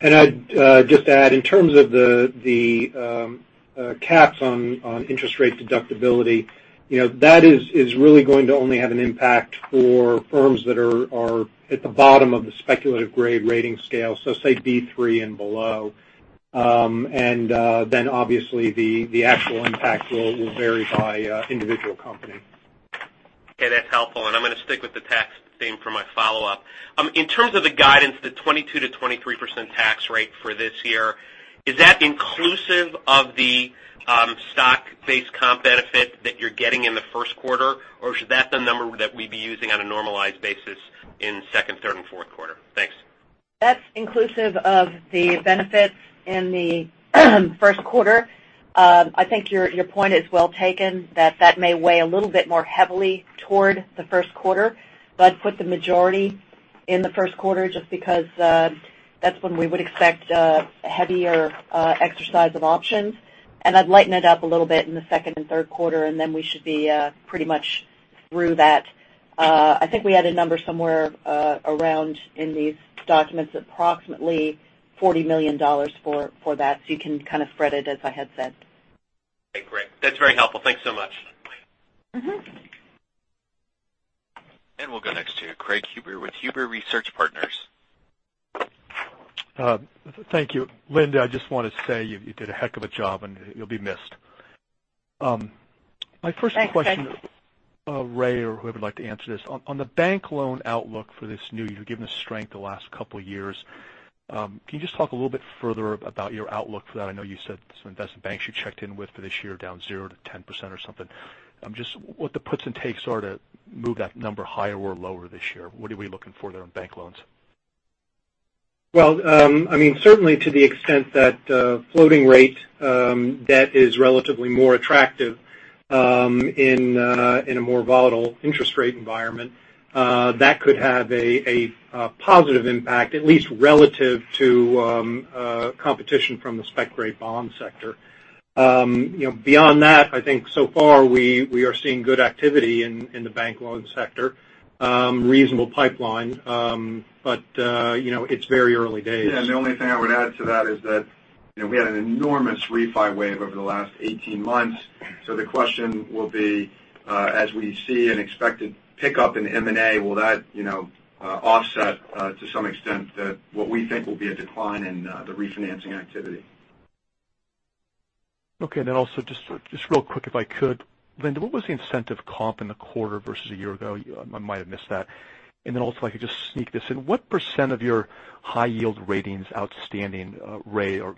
S3: I'd just add, in terms of the caps on interest rate deductibility, that is really going to only have an impact for firms that are at the bottom of the speculative grade rating scale, so say B3 and below. Obviously the actual impact will vary by individual company.
S11: Okay. That's helpful. I'm going to stick with the tax theme for my follow-up. In terms of the guidance, the 22%-23% tax rate for this year, is that inclusive of the stock-based comp benefit that you're getting in the first quarter, or is that the number that we'd be using on a normalized basis in second, third, and fourth quarter? Thanks.
S4: That's inclusive of the benefits in the first quarter. I think your point is well taken that that may weigh a little bit more heavily toward the first quarter. I'd put the majority in the first quarter just because that's when we would expect a heavier exercise of options, I'd lighten it up a little bit in the second and third quarter, we should be pretty much through that. I think we had a number somewhere around in these documents, approximately $40 million for that. You can kind of spread it as I had said.
S11: Okay, great. That's very helpful. Thanks so much.
S1: We'll go next to Craig Huber with Huber Research Partners.
S12: Thank you. Linda, I just want to say you did a heck of a job, and you'll be missed.
S4: Thanks, Craig.
S12: My first question, Ray, or whoever would like to answer this. On the bank loan outlook for this, you've given the strength the last couple of years. Can you just talk a little bit further about your outlook for that? I know you said some investment banks you checked in with for this year down 0%-10% or something. Just what the puts and takes are to move that number higher or lower this year. What are we looking for there on bank loans?
S3: Certainly to the extent that floating rate debt is relatively more attractive in a more volatile interest rate environment, that could have a positive impact, at least relative to competition from the spec-grade bond sector. Beyond that, I think so far we are seeing good activity in the bank loan sector. Reasonable pipeline. It's very early days.
S6: The only thing I would add to that is that we had an enormous refi wave over the last 18 months. The question will be, as we see an expected pickup in M&A, will that offset to some extent what we think will be a decline in the refinancing activity?
S12: Okay, then also, just real quick, if I could. Linda, what was the incentive comp in the quarter versus a year ago? I might have missed that. And then also, if I could just sneak this in, what % of your high yield ratings outstanding, Ray, or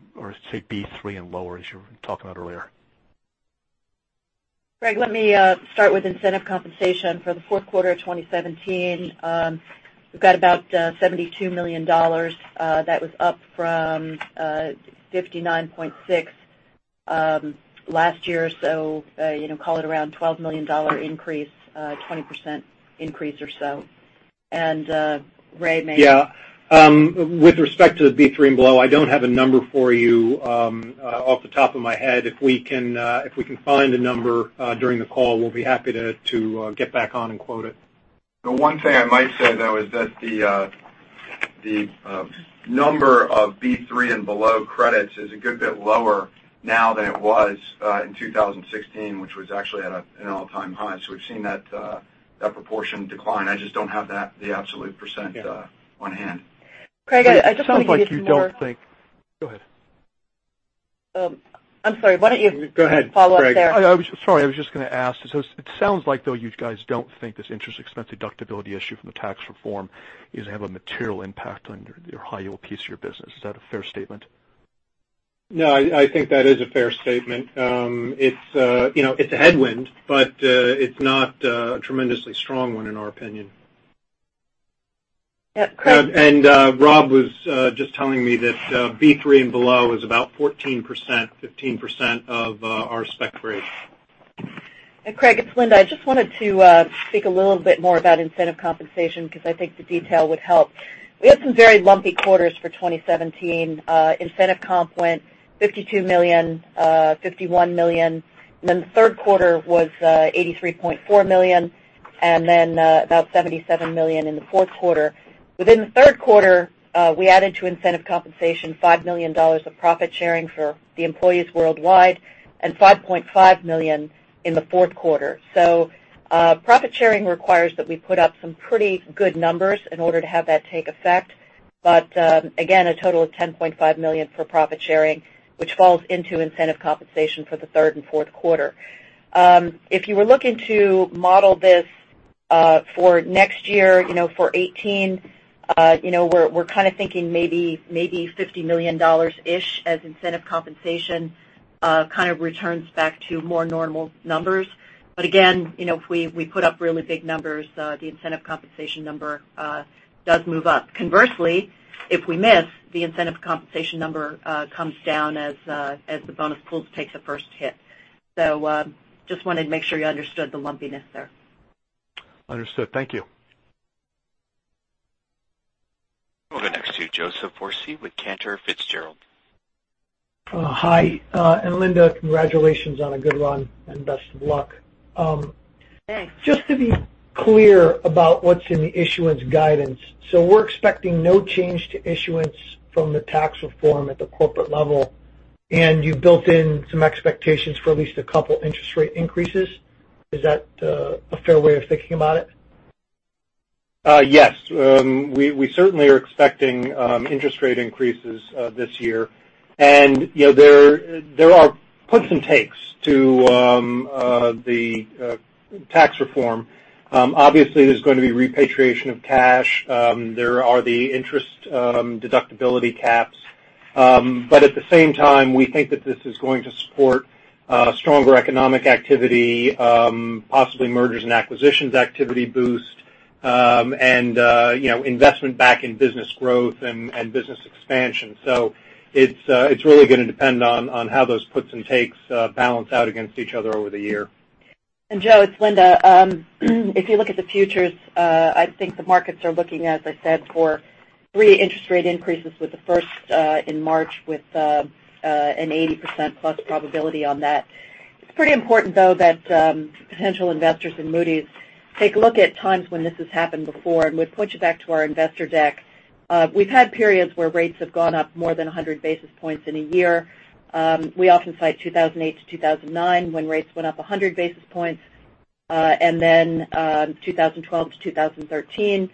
S12: say B3 and lower as you were talking about earlier?
S4: Craig, let me start with incentive compensation for the fourth quarter of 2017. We've got about $72 million. That was up from $59.6 last year. Call it around a $12 million increase, 20% increase or so. Ray may-
S3: Yeah. With respect to the B3 and below, I don't have a number for you off the top of my head. If we can find a number during the call, we'll be happy to get back on and quote it.
S6: The one thing I might say, though, is that the number of B3 and below credits is a good bit lower now than it was in 2016, which was actually at an all-time high. We've seen that proportion decline. I just don't have the absolute % on hand.
S4: Craig, I just want to give you some more.
S12: It sounds like you don't think. Go ahead.
S4: I'm sorry. Why don't you.
S3: Go ahead, Craig.
S4: follow up there?
S12: Sorry, I was just going to ask. It sounds like though you guys don't think this interest expense deductibility issue from the tax reform is going to have a material impact on your high yield piece of your business. Is that a fair statement?
S3: I think that is a fair statement. It's a headwind, but it's not a tremendously strong one in our opinion.
S4: Yeah, Craig.
S3: Rob was just telling me that B3 and below is about 14%, 15% of our spec grade.
S4: Craig, it's Linda. I just wanted to speak a little bit more about incentive compensation because I think the detail would help. We had some very lumpy quarters for 2017. Incentive comp went $52 million, $51 million, and then the third quarter was $83.4 million, and then about $77 million in the fourth quarter. Within the third quarter, we added to incentive compensation $5 million of profit sharing for the employees worldwide, and $5.5 million in the fourth quarter. Profit sharing requires that we put up some pretty good numbers in order to have that take effect. Again, a total of $10.5 million for profit sharing, which falls into incentive compensation for the third and fourth quarter. If you were looking to model this for next year, for 2018, we're kind of thinking maybe $50 million-ish as incentive compensation kind of returns back to more normal numbers. Again, if we put up really big numbers, the incentive compensation number does move up. Conversely, if we miss, the incentive compensation number comes down as the bonus pools takes the first hit. Just wanted to make sure you understood the lumpiness there.
S12: Understood. Thank you.
S1: We'll go next to Joseph Foresi with Cantor Fitzgerald.
S13: Hi. Linda, congratulations on a good run, and best of luck.
S4: Thanks.
S13: Just to be clear about what's in the issuance guidance. We're expecting no change to issuance from the tax reform at the corporate level, and you built in some expectations for at least a couple interest rate increases. Is that a fair way of thinking about it?
S3: Yes. We certainly are expecting interest rate increases this year. There are puts and takes to the tax reform. Obviously, there's going to be repatriation of cash. There are the interest deductibility caps. At the same time, we think that this is going to support stronger economic activity, possibly mergers and acquisitions activity boost, and investment back in business growth and business expansion. It's really going to depend on how those puts and takes balance out against each other over the year.
S4: And Joe, it's Linda. If you look at the futures, I think the markets are looking, as I said, for three interest rate increases with the first in March with an 80%-plus probability on that. It's pretty important though that potential investors in Moody's take a look at times when this has happened before. Would point you back to our investor deck. We've had periods where rates have gone up more than 100 basis points in a year. We often cite 2008 to 2009 when rates went up 100 basis points. Then 2012 to 2013,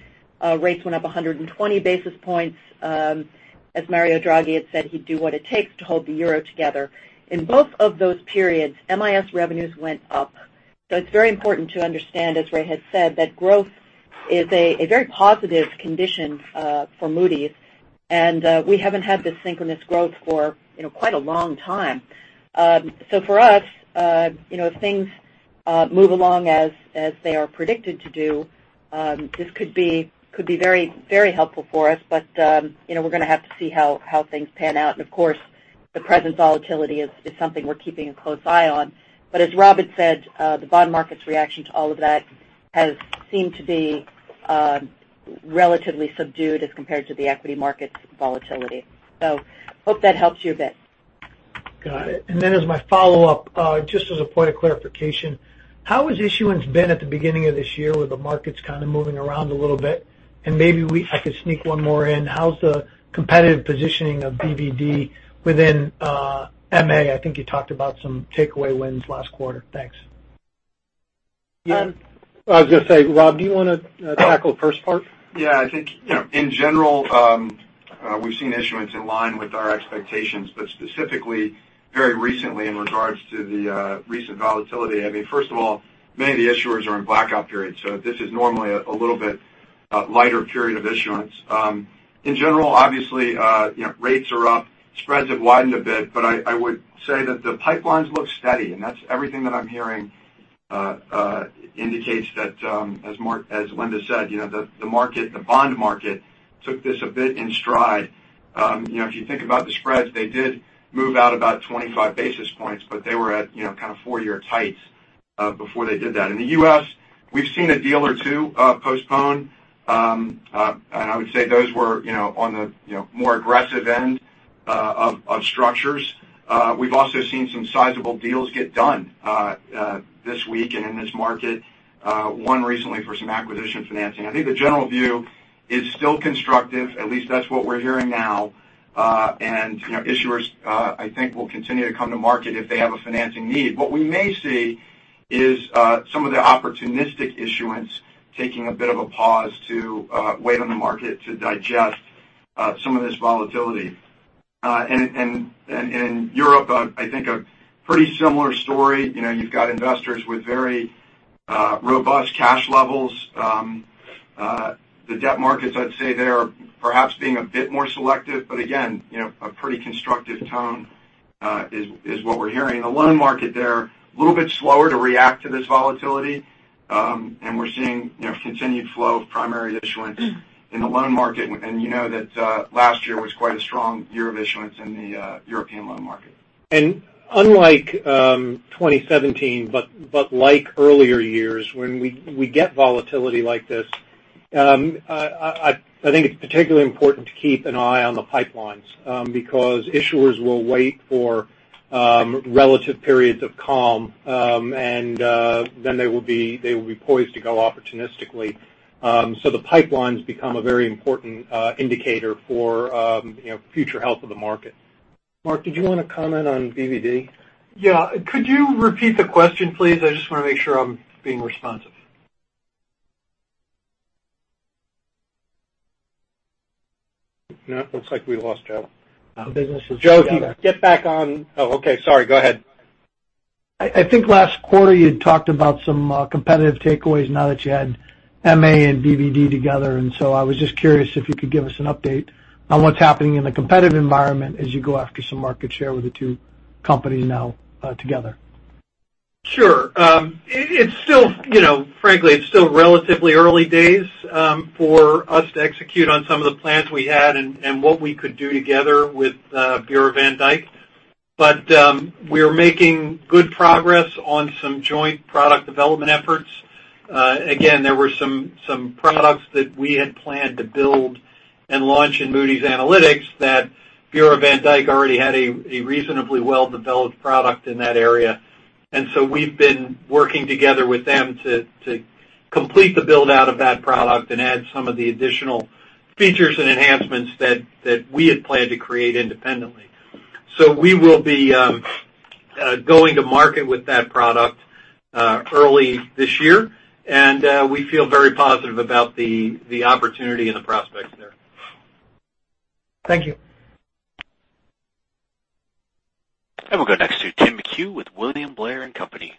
S4: rates went up 120 basis points. As Mario Draghi had said he'd do what it takes to hold the euro together. In both of those periods, MIS revenues went up. It's very important to understand, as Ray has said, that growth is a very positive condition for Moody's, and we haven't had this synchronous growth for quite a long time. For us, if things move along as they are predicted to do, this could be very helpful for us. We're going to have to see how things pan out. Of course, the present volatility is something we're keeping a close eye on. As Rob had said, the bond market's reaction to all of that has seemed to be relatively subdued as compared to the equity market's volatility. Hope that helps you a bit.
S13: Got it. As my follow-up, just as a point of clarification, how has issuance been at the beginning of this year with the markets kind of moving around a little bit? Maybe if I could sneak one more in, how's the competitive positioning of BvD within MA? I think you talked about some takeaway wins last quarter. Thanks.
S8: Yeah. I was going to say, Rob, do you want to tackle the first part?
S6: Yeah. I think, in general, we've seen issuance in line with our expectations, specifically, very recently, in regards to the recent volatility. I mean, first of all, many of the issuers are in blackout periods, this is normally a little bit lighter period of issuance. In general, obviously, rates are up. Spreads have widened a bit. I would say that the pipelines look steady, and that's everything that I'm hearing indicates that, as Linda said, the bond market took this a bit in stride. If you think about the spreads, they did move out about 25 basis points, but they were at kind of four-year tights before they did that. In the U.S., we've seen a deal or two postpone. I would say those were on the more aggressive end of structures. We've also seen some sizable deals get done this week and in this market, one recently for some acquisition financing. I think the general view is still constructive. At least that's what we're hearing now. Issuers, I think, will continue to come to market if they have a financing need. What we may see is some of the opportunistic issuance taking a bit of a pause to wait on the market to digest some of this volatility. In Europe, I think a pretty similar story. You've got investors with very robust cash levels. The debt markets, I'd say, they're perhaps being a bit more selective, again, a pretty constructive tone is what we're hearing. The loan market there, a little bit slower to react to this volatility. We're seeing continued flow of primary issuance in the loan market. You know that last year was quite a strong year of issuance in the European loan market. Unlike 2017, but like earlier years, when we get volatility like this, I think it is particularly important to keep an eye on the pipelines, because issuers will wait for relative periods of calm, then they will be poised to go opportunistically. The pipelines become a very important indicator for future health of the market. Mark, did you want to comment on BvD?
S8: Yeah. Could you repeat the question, please? I just want to make sure I am being responsive. No, it looks like we lost Joe.
S6: The business is together.
S8: Joseph, if you get back on. Oh, okay. Sorry. Go ahead.
S13: I think last quarter you had talked about some competitive takeaways now that you had MA and BvD together. I was just curious if you could give us an update on what's happening in the competitive environment as you go after some market share with the two companies now together.
S8: Sure. Frankly, it's still relatively early days for us to execute on some of the plans we had and what we could do together with Bureau van Dijk. We're making good progress on some joint product development efforts. Again, there were some products that we had planned to build and launch in Moody's Analytics that Bureau van Dijk already had a reasonably well-developed product in that area. We've been working together with them to complete the build-out of that product and add some of the additional features and enhancements that we had planned to create independently. We will be going to market with that product early this year, and we feel very positive about the opportunity and the prospects there.
S13: Thank you.
S1: We'll go next to Tim McHugh with William Blair & Company.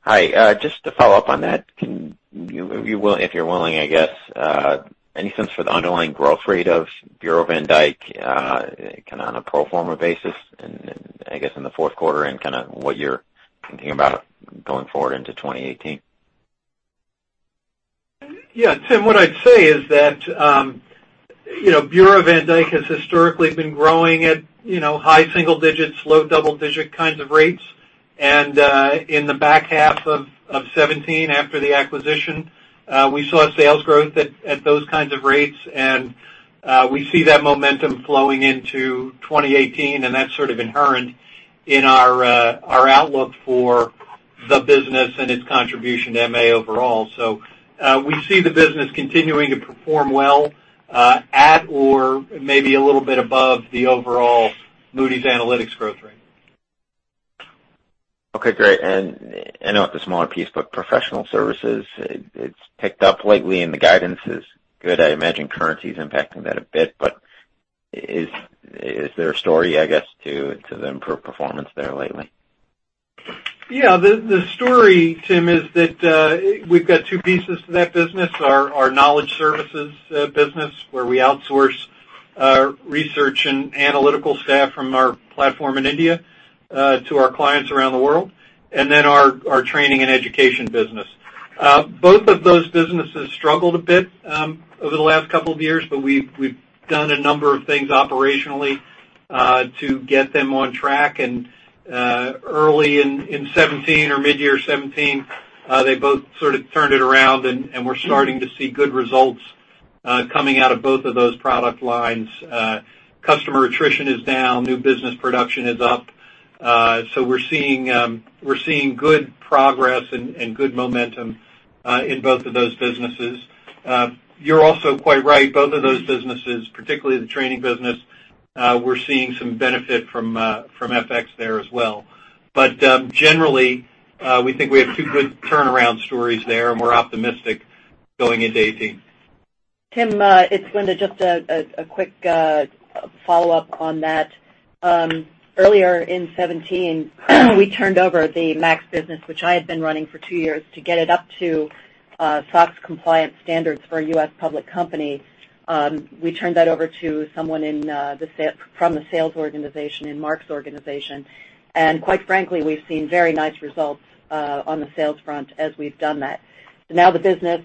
S14: Hi. Just to follow up on that, if you're willing, I guess, any sense for the underlying growth rate of Bureau van Dijk kind of on a pro forma basis and, I guess, in the fourth quarter and kind of what you're thinking about going forward into 2018?
S8: Yeah. Tim, what I'd say is that Bureau van Dijk has historically been growing at high single digits, low double digit kinds of rates. In the back half of 2017, after the acquisition, we saw sales growth at those kinds of rates, and we see that momentum flowing into 2018, and that's sort of inherent in our outlook for the business and its contribution to MA overall. We see the business continuing to perform well at or maybe a little bit above the overall Moody's Analytics growth rate.
S14: Okay, great. I know it's a smaller piece, professional services, it's picked up lately, and the guidance is good. I imagine currency's impacting that a bit, is there a story, I guess, to the improved performance there lately?
S8: Yeah. The story, Tim, is that we've got two pieces to that business, our Knowledge Services business where we outsource our research and analytical staff from our platform in India to our clients around the world, our training and education business. Both of those businesses struggled a bit over the last couple of years, we've done a number of things operationally to get them on track, early in 2017 or mid-year 2017, they both sort of turned it around, we're starting to see good results coming out of both of those product lines. Customer attrition is down. New business production is up. We're seeing good progress and good momentum in both of those businesses. You're also quite right. Both of those businesses, particularly the training business, we're seeing some benefit from FX there as well. Generally, we think we have two good turnaround stories there, we're optimistic going into 2018.
S4: Tim, it's Linda. Just a quick follow-up on that. Earlier in 2017, we turned over the MAKS business, which I had been running for two years to get it up to SOX compliance standards for a U.S. public company. We turned that over to someone from the sales organization, in Mark's organization. Quite frankly, we've seen very nice results on the sales front as we've done that. Now the business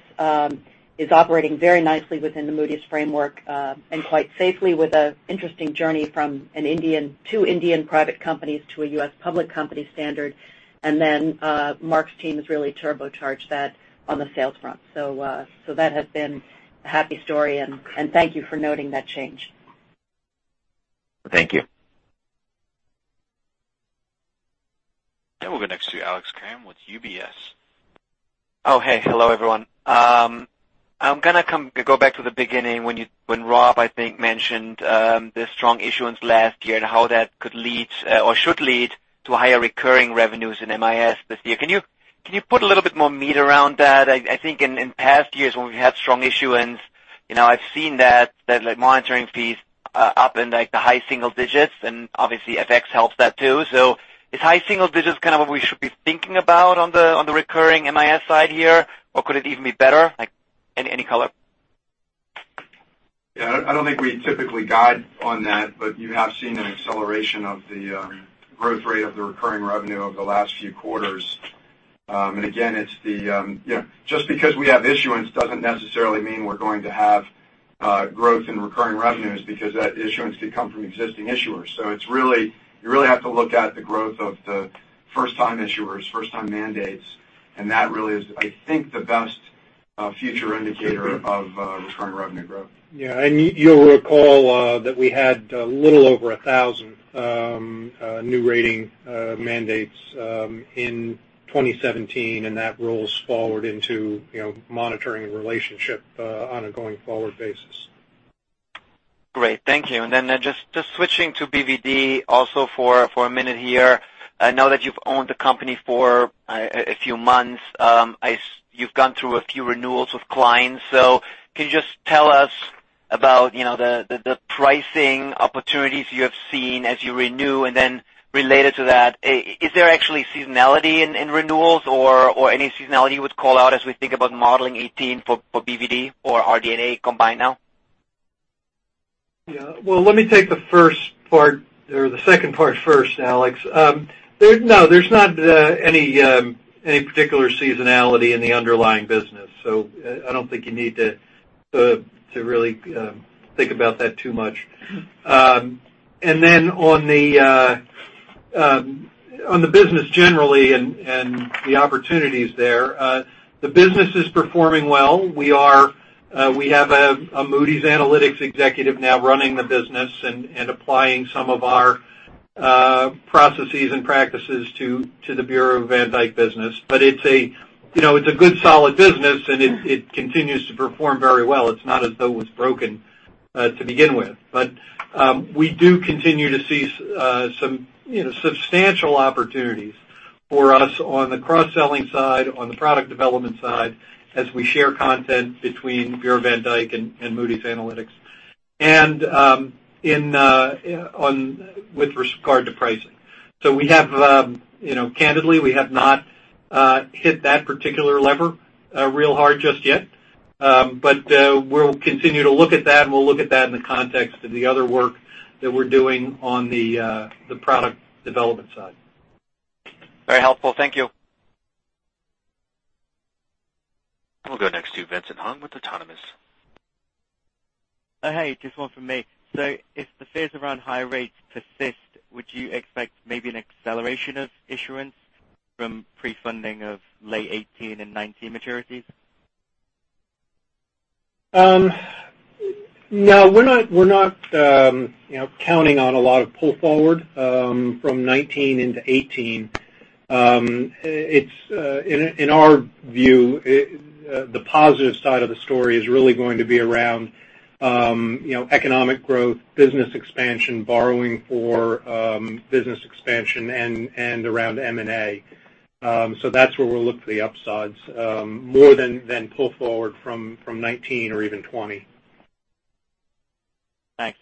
S4: is operating very nicely within the Moody's framework, quite safely with an interesting journey from two Indian private companies to a U.S. public company standard. Mark's team has really turbocharged that on the sales front. That has been a happy story, thank you for noting that change.
S8: Thank you.
S1: We'll go next to Alex Kramm with UBS.
S15: Hello, everyone. I'm going to go back to the beginning when Rob, I think, mentioned the strong issuance last year and how that could lead or should lead to higher recurring revenues in MIS this year. Can you put a little bit more meat around that? I think in past years when we've had strong issuance, I've seen that monitoring fees are up in the high single digits, and obviously FX helps that too. Is high single digits kind of what we should be thinking about on the recurring MIS side here, or could it even be better? Any color?
S6: I don't think we typically guide on that, but you have seen an acceleration of the growth rate of the recurring revenue over the last few quarters. Just because we have issuance doesn't necessarily mean we're going to have growth in recurring revenues because that issuance could come from existing issuers. You really have to look at the growth of the first-time issuers, first-time mandates, and that really is, I think, the best future indicator of recurring revenue growth. Yeah. You'll recall that we had a little over 1,000 new rating mandates in 2017, and that rolls forward into monitoring relationship on a going-forward basis.
S15: Great. Thank you. Just switching to BvD also for a minute here. I know that you've owned the company for a few months. You've gone through a few renewals with clients. Can you just tell us about the pricing opportunities you have seen as you renew? Related to that, is there actually seasonality in renewals or any seasonality you would call out as we think about modeling 2018 for BvD or RD&A combined now?
S8: Yeah. Well, let me take the second part first, Alex. No, there's not any particular seasonality in the underlying business. I don't think you need to really think about that too much. On the business generally and the opportunities there, the business is performing well. We have a Moody's Analytics executive now running the business and applying some of our processes and practices to the Bureau van Dijk business. It's a good solid business, and it continues to perform very well. It's not as though it was broken to begin with. We do continue to see some substantial opportunities for us on the cross-selling side, on the product development side as we share content between Bureau van Dijk and Moody's Analytics, and with regard to pricing. Candidly, we have not hit that particular lever real hard just yet. We'll continue to look at that, and we'll look at that in the context of the other work that we're doing on the product development side.
S15: Very helpful. Thank you.
S1: We'll go next to Vincent Hung with Autonomous.
S16: Oh, hey. Just one from me. If the fears around high rates persist, would you expect maybe an acceleration of issuance from pre-funding of late 2018 and 2019 maturities?
S6: No, we're not counting on a lot of pull forward from 2019 into 2018. In our view, the positive side of the story is really going to be around economic growth, business expansion, borrowing for business expansion, and around M&A. That's where we'll look for the upsides more than pull forward from 2019 or even 2020.
S16: Thanks.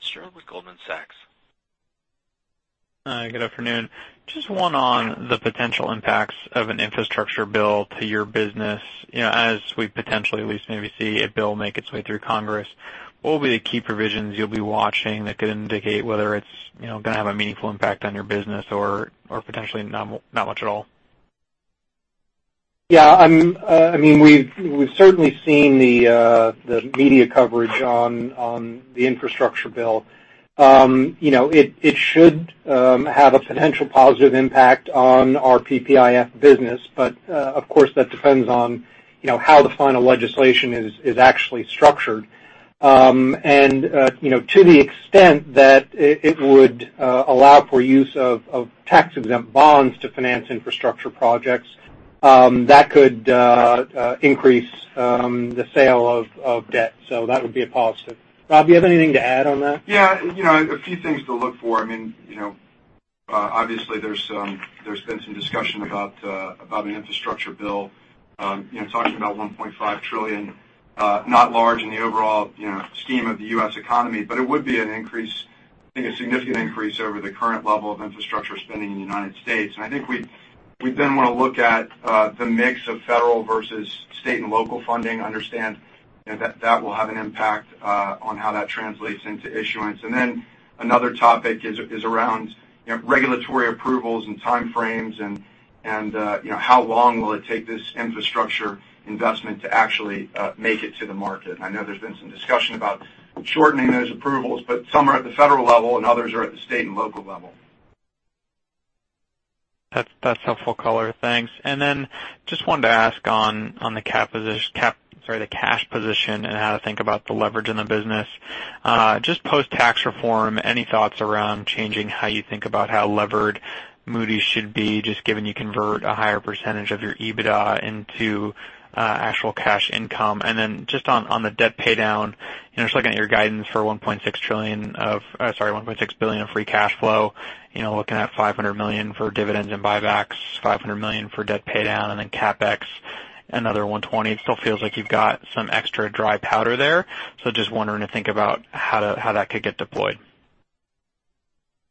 S1: Stuart with Goldman Sachs.
S17: Hi, good afternoon. Just one on the potential impacts of an infrastructure bill to your business. As we potentially at least maybe see a bill make its way through Congress, what will be the key provisions you'll be watching that could indicate whether it's going to have a meaningful impact on your business or potentially not much at all?
S4: We've certainly seen the media coverage on the infrastructure bill. It should have a potential positive impact on our PPIF business, but of course that depends on how the final legislation is actually structured. To the extent that it would allow for use of tax-exempt bonds to finance infrastructure projects, that could increase the sale of debt. That would be a positive. Rob, do you have anything to add on that?
S6: A few things to look for. Obviously, there's been some discussion about an infrastructure bill. Talking about $1.5 trillion, not large in the overall scheme of the U.S. economy, but it would be an increase, I think a significant increase over the current level of infrastructure spending in the United States. I think we then want to look at the mix of federal versus state and local funding, understand that will have an impact on how that translates into issuance. Another topic is around regulatory approvals and time frames and how long will it take this infrastructure investment to actually make it to the market. I know there's been some discussion about shortening those approvals, but some are at the federal level, and others are at the state and local level.
S17: That's helpful color. Thanks. Just wanted to ask on the cash position and how to think about the leverage in the business. Just post-tax reform, any thoughts around changing how you think about how levered Moody's should be, just given you convert a higher percentage of your EBITDA into actual cash income? Just on the debt paydown, looking at your guidance for $1.6 billion of free cash flow, looking at $500 million for dividends and buybacks, $500 million for debt paydown, and then CapEx another $120 million, it still feels like you've got some extra dry powder there. Just wondering to think about how that could get deployed.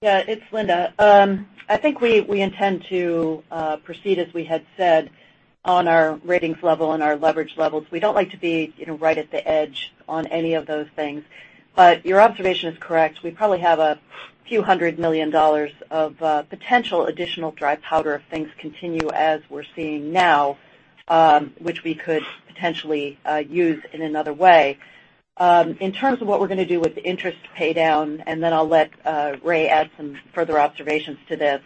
S4: Yeah, it's Linda. I think we intend to proceed as we had said on our ratings level and our leverage levels. We don't like to be right at the edge on any of those things. Your observation is correct. We probably have a few hundred million dollars of potential additional dry powder if things continue as we're seeing now, which we could potentially use in another way. In terms of what we're going to do with the interest paydown, I'll let Ray add some further observations to this.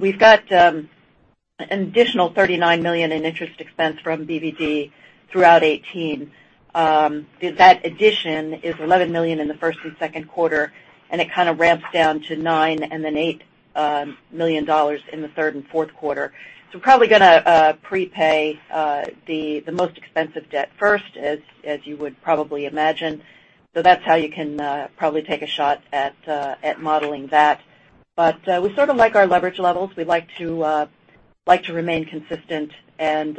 S4: We've got an additional $39 million in interest expense from BvD throughout 2018. That addition is $11 million in the first and second quarter, and it kind of ramps down to $9 million and then $8 million in the third and fourth quarter. We're probably going to prepay the most expensive debt first as you would probably imagine. That's how you can probably take a shot at modeling that. We sort of like our leverage levels. We like to remain consistent and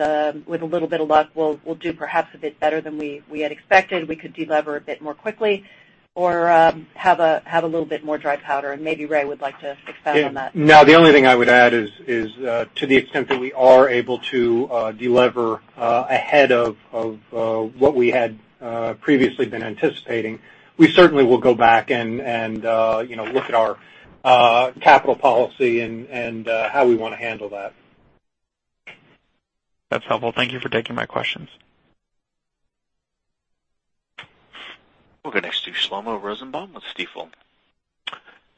S4: with a little bit of luck, we'll do perhaps a bit better than we had expected. We could delever a bit more quickly or have a little bit more dry powder, and maybe Ray would like to expound on that.
S3: No, the only thing I would add is to the extent that we are able to delever ahead of what we had previously been anticipating, we certainly will go back and look at our capital policy and how we want to handle that.
S17: That's helpful. Thank you for taking my questions.
S1: We'll go next to Shlomo Rosenbaum with Stifel.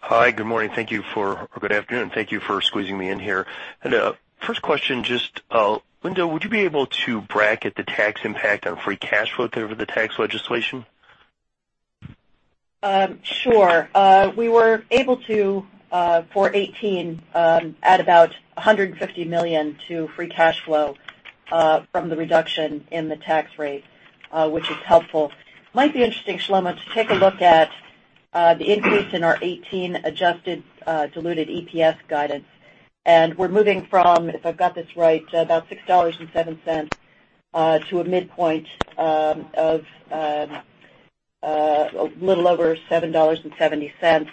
S18: Hi, good morning. Thank you for squeezing me in here. First question, just, Linda, would you be able to bracket the tax impact on free cash flow through the tax legislation?
S4: Sure. We were able to for 2018, add about $150 million to free cash flow from the reduction in the tax rate, which is helpful. Might be interesting, Shlomo, to take a look at the increase in our 2018 adjusted diluted EPS guidance. We're moving from, if I've got this right, about $6.07 to a midpoint of a little over $7.70.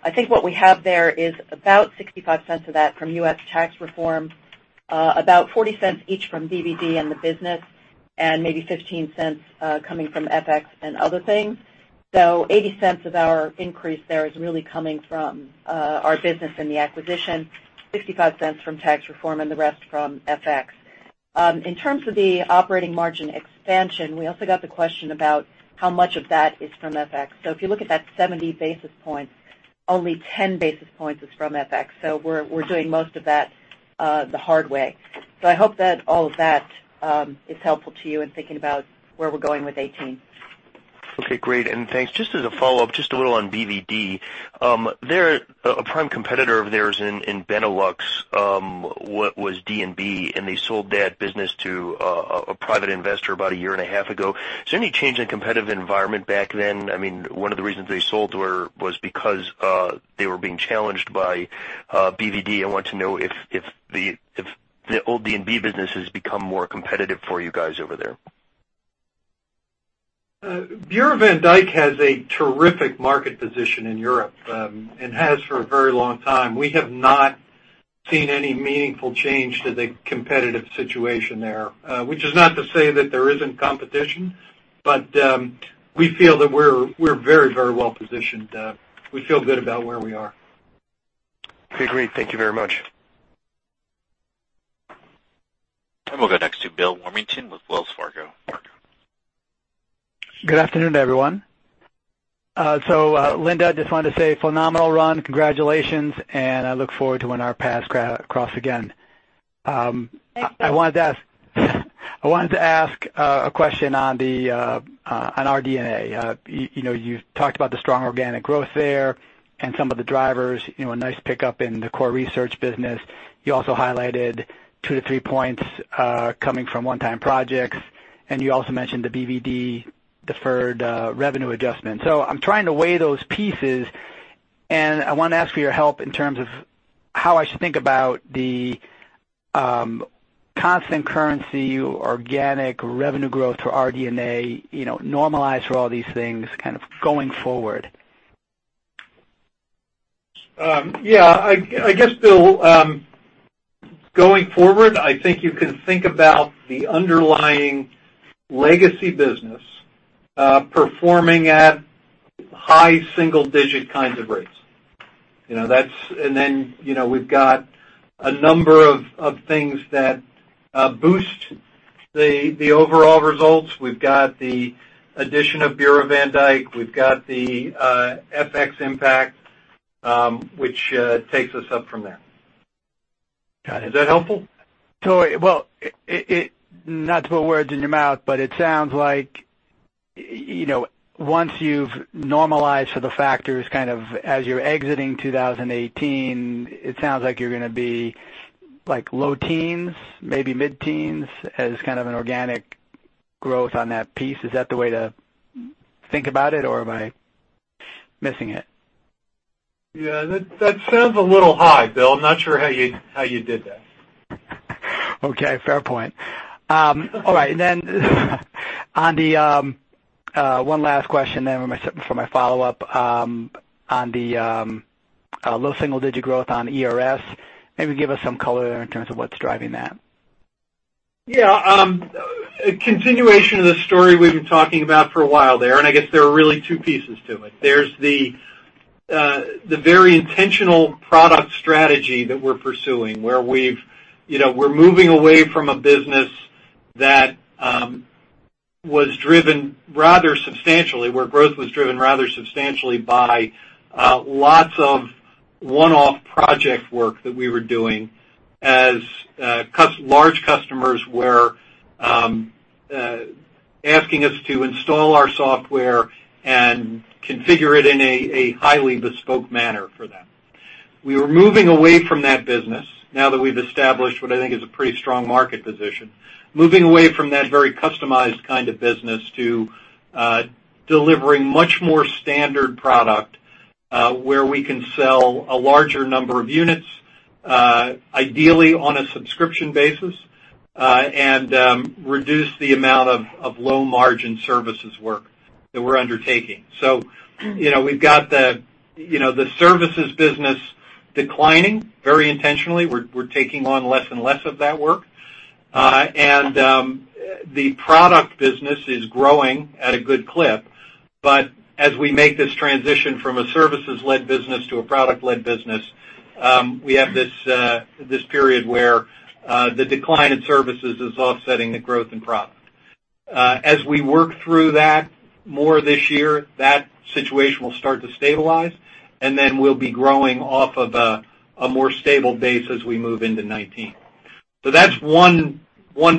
S4: I think what we have there is about $0.65 of that from U.S. tax reform, about $0.40 each from BvD and the business, and maybe $0.15 coming from FX and other things. $0.80 of our increase there is really coming from our business and the acquisition, $0.65 from tax reform, and the rest from FX. In terms of the operating margin expansion, we also got the question about how much of that is from FX. If you look at that 70 basis points, only 10 basis points is from FX. We're doing most of that the hard way. I hope that all of that is helpful to you in thinking about where we're going with 2018.
S18: Okay, great. Thanks. Just as a follow-up, just a little on BvD. A prime competitor of theirs in Benelux was D&B, and they sold that business to a private investor about a year and a half ago. Is there any change in competitive environment back then? One of the reasons they sold was because they were being challenged by BvD. I want to know if the old D&B business has become more competitive for you guys over there.
S8: Bureau van Dijk has a terrific market position in Europe, and has for a very long time. We have not seen any meaningful change to the competitive situation there, which is not to say that there isn't competition, but we feel that we're very well-positioned. We feel good about where we are.
S18: Okay, great. Thank you very much.
S1: We'll go next to Bill Warmington with Wells Fargo.
S19: Good afternoon, everyone. Linda, I just wanted to say phenomenal run, congratulations, and I look forward to when our paths cross again.
S4: Thanks, Bill.
S19: I wanted to ask a question on RD&A. You talked about the strong organic growth there and some of the drivers, a nice pickup in the core research business. You also highlighted 2-3 points coming from one-time projects, and you also mentioned the BvD deferred revenue adjustment. I'm trying to weigh those pieces, and I want to ask for your help in terms of how I should think about the constant currency, organic revenue growth for RD&A, normalized for all these things kind of going forward.
S8: Yeah. I guess, Bill, going forward, I think you can think about the underlying legacy business performing at high single-digit kinds of rates. We've got a number of things that boost the overall results. We've got the addition of Bureau van Dijk, we've got the FX impact, which takes us up from there.
S19: Got it.
S8: Is that helpful?
S19: Well, not to put words in your mouth, but it sounds like once you've normalized for the factors as you're exiting 2018, it sounds like you're going to be low teens, maybe mid-teens, as kind of an organic growth on that piece. Is that the way to think about it, or am I missing it?
S8: Yeah, that sounds a little high, Bill. I'm not sure how you did that.
S19: Okay, fair point. All right. One last question then for my follow-up on the low single-digit growth on ERS. Maybe give us some color there in terms of what's driving that.
S8: Yeah. A continuation of the story we've been talking about for a while there, and I guess there are really two pieces to it. There's the very intentional product strategy that we're pursuing, where we're moving away from a business where growth was driven rather substantially by lots of one-off project work that we were doing as large customers were asking us to install our software and configure it in a highly bespoke manner for them. We were moving away from that business now that we've established what I think is a pretty strong market position. Moving away from that very customized kind of business to delivering much more standard product where we can sell a larger number of units, ideally on a subscription basis, and reduce the amount of low-margin services work that we're undertaking. We've got the services business declining very intentionally. We're taking on less and less of that work. The product business is growing at a good clip. As we make this transition from a services-led business to a product-led business, we have this period where the decline in services is offsetting the growth in product. As we work through that more this year, that situation will start to stabilize, and then we'll be growing off of a more stable base as we move into 2019. That's one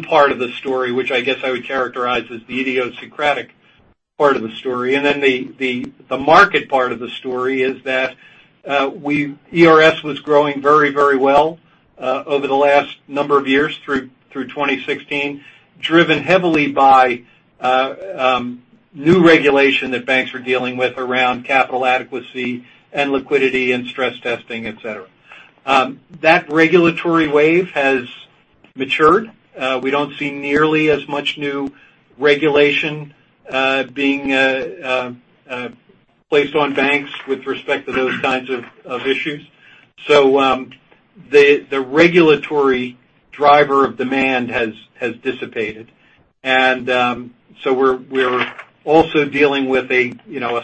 S8: part of the story, which I guess I would characterize as the idiosyncratic part of the story. The market part of the story is that ERS was growing very well over the last number of years through 2016, driven heavily by new regulation that banks were dealing with around capital adequacy and liquidity and stress testing, et cetera. That regulatory wave has matured. We don't see nearly as much new regulation being placed on banks with respect to those kinds of issues. The regulatory driver of demand has dissipated. We're also dealing with a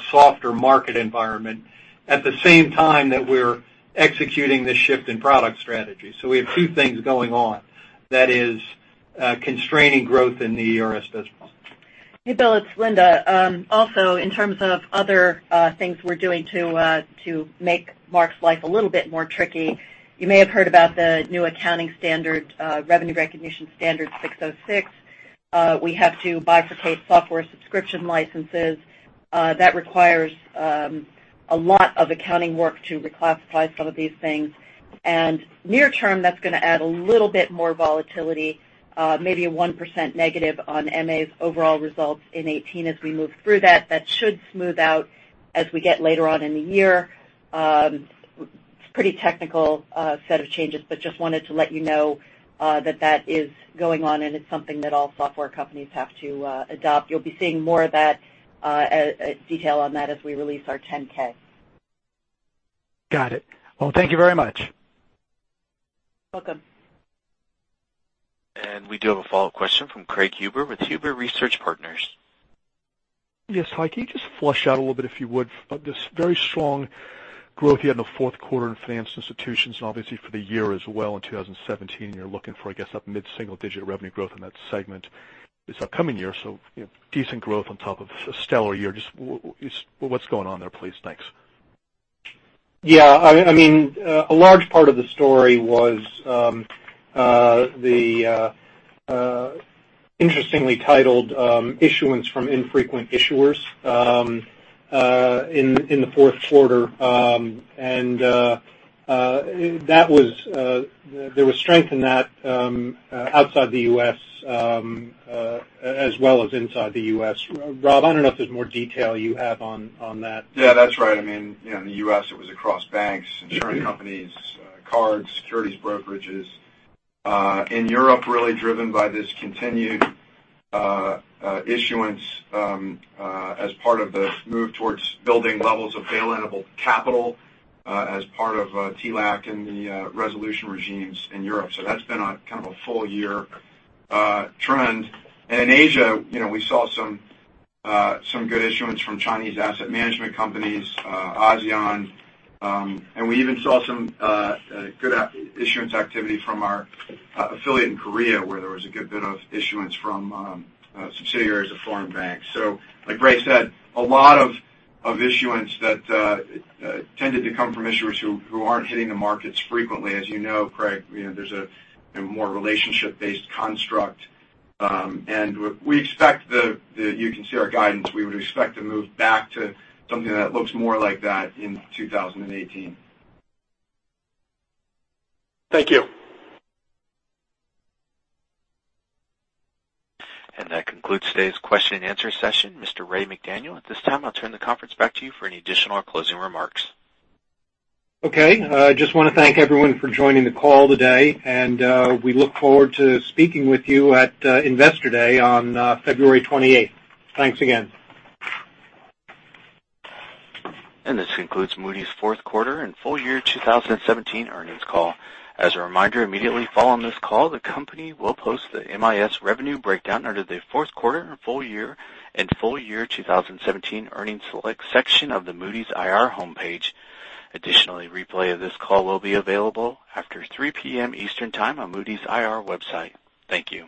S8: softer market environment at the same time that we're executing this shift in product strategy. We have two things going on that is constraining growth in the ERS business.
S4: Hey, Bill, it's Linda. In terms of other things we're doing to make Mark's life a little bit more tricky, you may have heard about the new revenue recognition standard 606. We have to bifurcate software subscription licenses. That requires a lot of accounting work to reclassify some of these things. Near term, that's going to add a little bit more volatility, maybe a 1% negative on MA's overall results in 2018 as we move through that. That should smooth out as we get later on in the year. It's a pretty technical set of changes, but just wanted to let you know that is going on and it's something that all software companies have to adopt. You'll be seeing more of that, detail on that as we release our 10-K.
S19: Got it. Thank you very much.
S4: Welcome.
S1: We do have a follow-up question from Craig Huber with Huber Research Partners.
S12: Yes. Hi. Can you just flesh out a little bit, if you would, this very strong growth you had in the fourth quarter in finance institutions, and obviously for the year as well in 2017. You're looking for, I guess, up mid-single digit revenue growth in that segment this upcoming year, so decent growth on top of a stellar year. Just what's going on there, please? Thanks.
S3: Yeah. A large part of the story was the interestingly titled issuance from infrequent issuers in the fourth quarter. There was strength in that outside the U.S., as well as inside the U.S. Rob, I don't know if there's more detail you have on that.
S6: Yeah, that's right. In the U.S., it was across banks, insurance companies, cards, securities brokerages. In Europe, really driven by this continued issuance as part of the move towards building levels of bail-in-able capital as part of TLAC and the resolution regimes in Europe. That's been a kind of a full-year trend. In Asia, we saw some good issuance from Chinese asset management companies, ASEAN, and we even saw some good issuance activity from our affiliate in Korea, where there was a good bit of issuance from subsidiaries of foreign banks. Like Ray said, a lot of issuance that tended to come from issuers who aren't hitting the markets frequently. As you know, Craig, there's a more relationship-based construct. You can see our guidance. We would expect to move back to something that looks more like that in 2018.
S12: Thank you.
S1: That concludes today's question and answer session. Mr. Ray McDaniel, at this time, I'll turn the conference back to you for any additional closing remarks.
S3: Okay. I just want to thank everyone for joining the call today, and we look forward to speaking with you at Investor Day on February 28th. Thanks again.
S1: This concludes Moody's fourth quarter and full year 2017 earnings call. As a reminder, immediately following this call, the company will post the MIS revenue breakdown under the fourth quarter and full year 2017 earnings select section of the Moody's IR homepage. Additionally, replay of this call will be available after 3:00 P.M. Eastern Time on Moody's IR website. Thank you.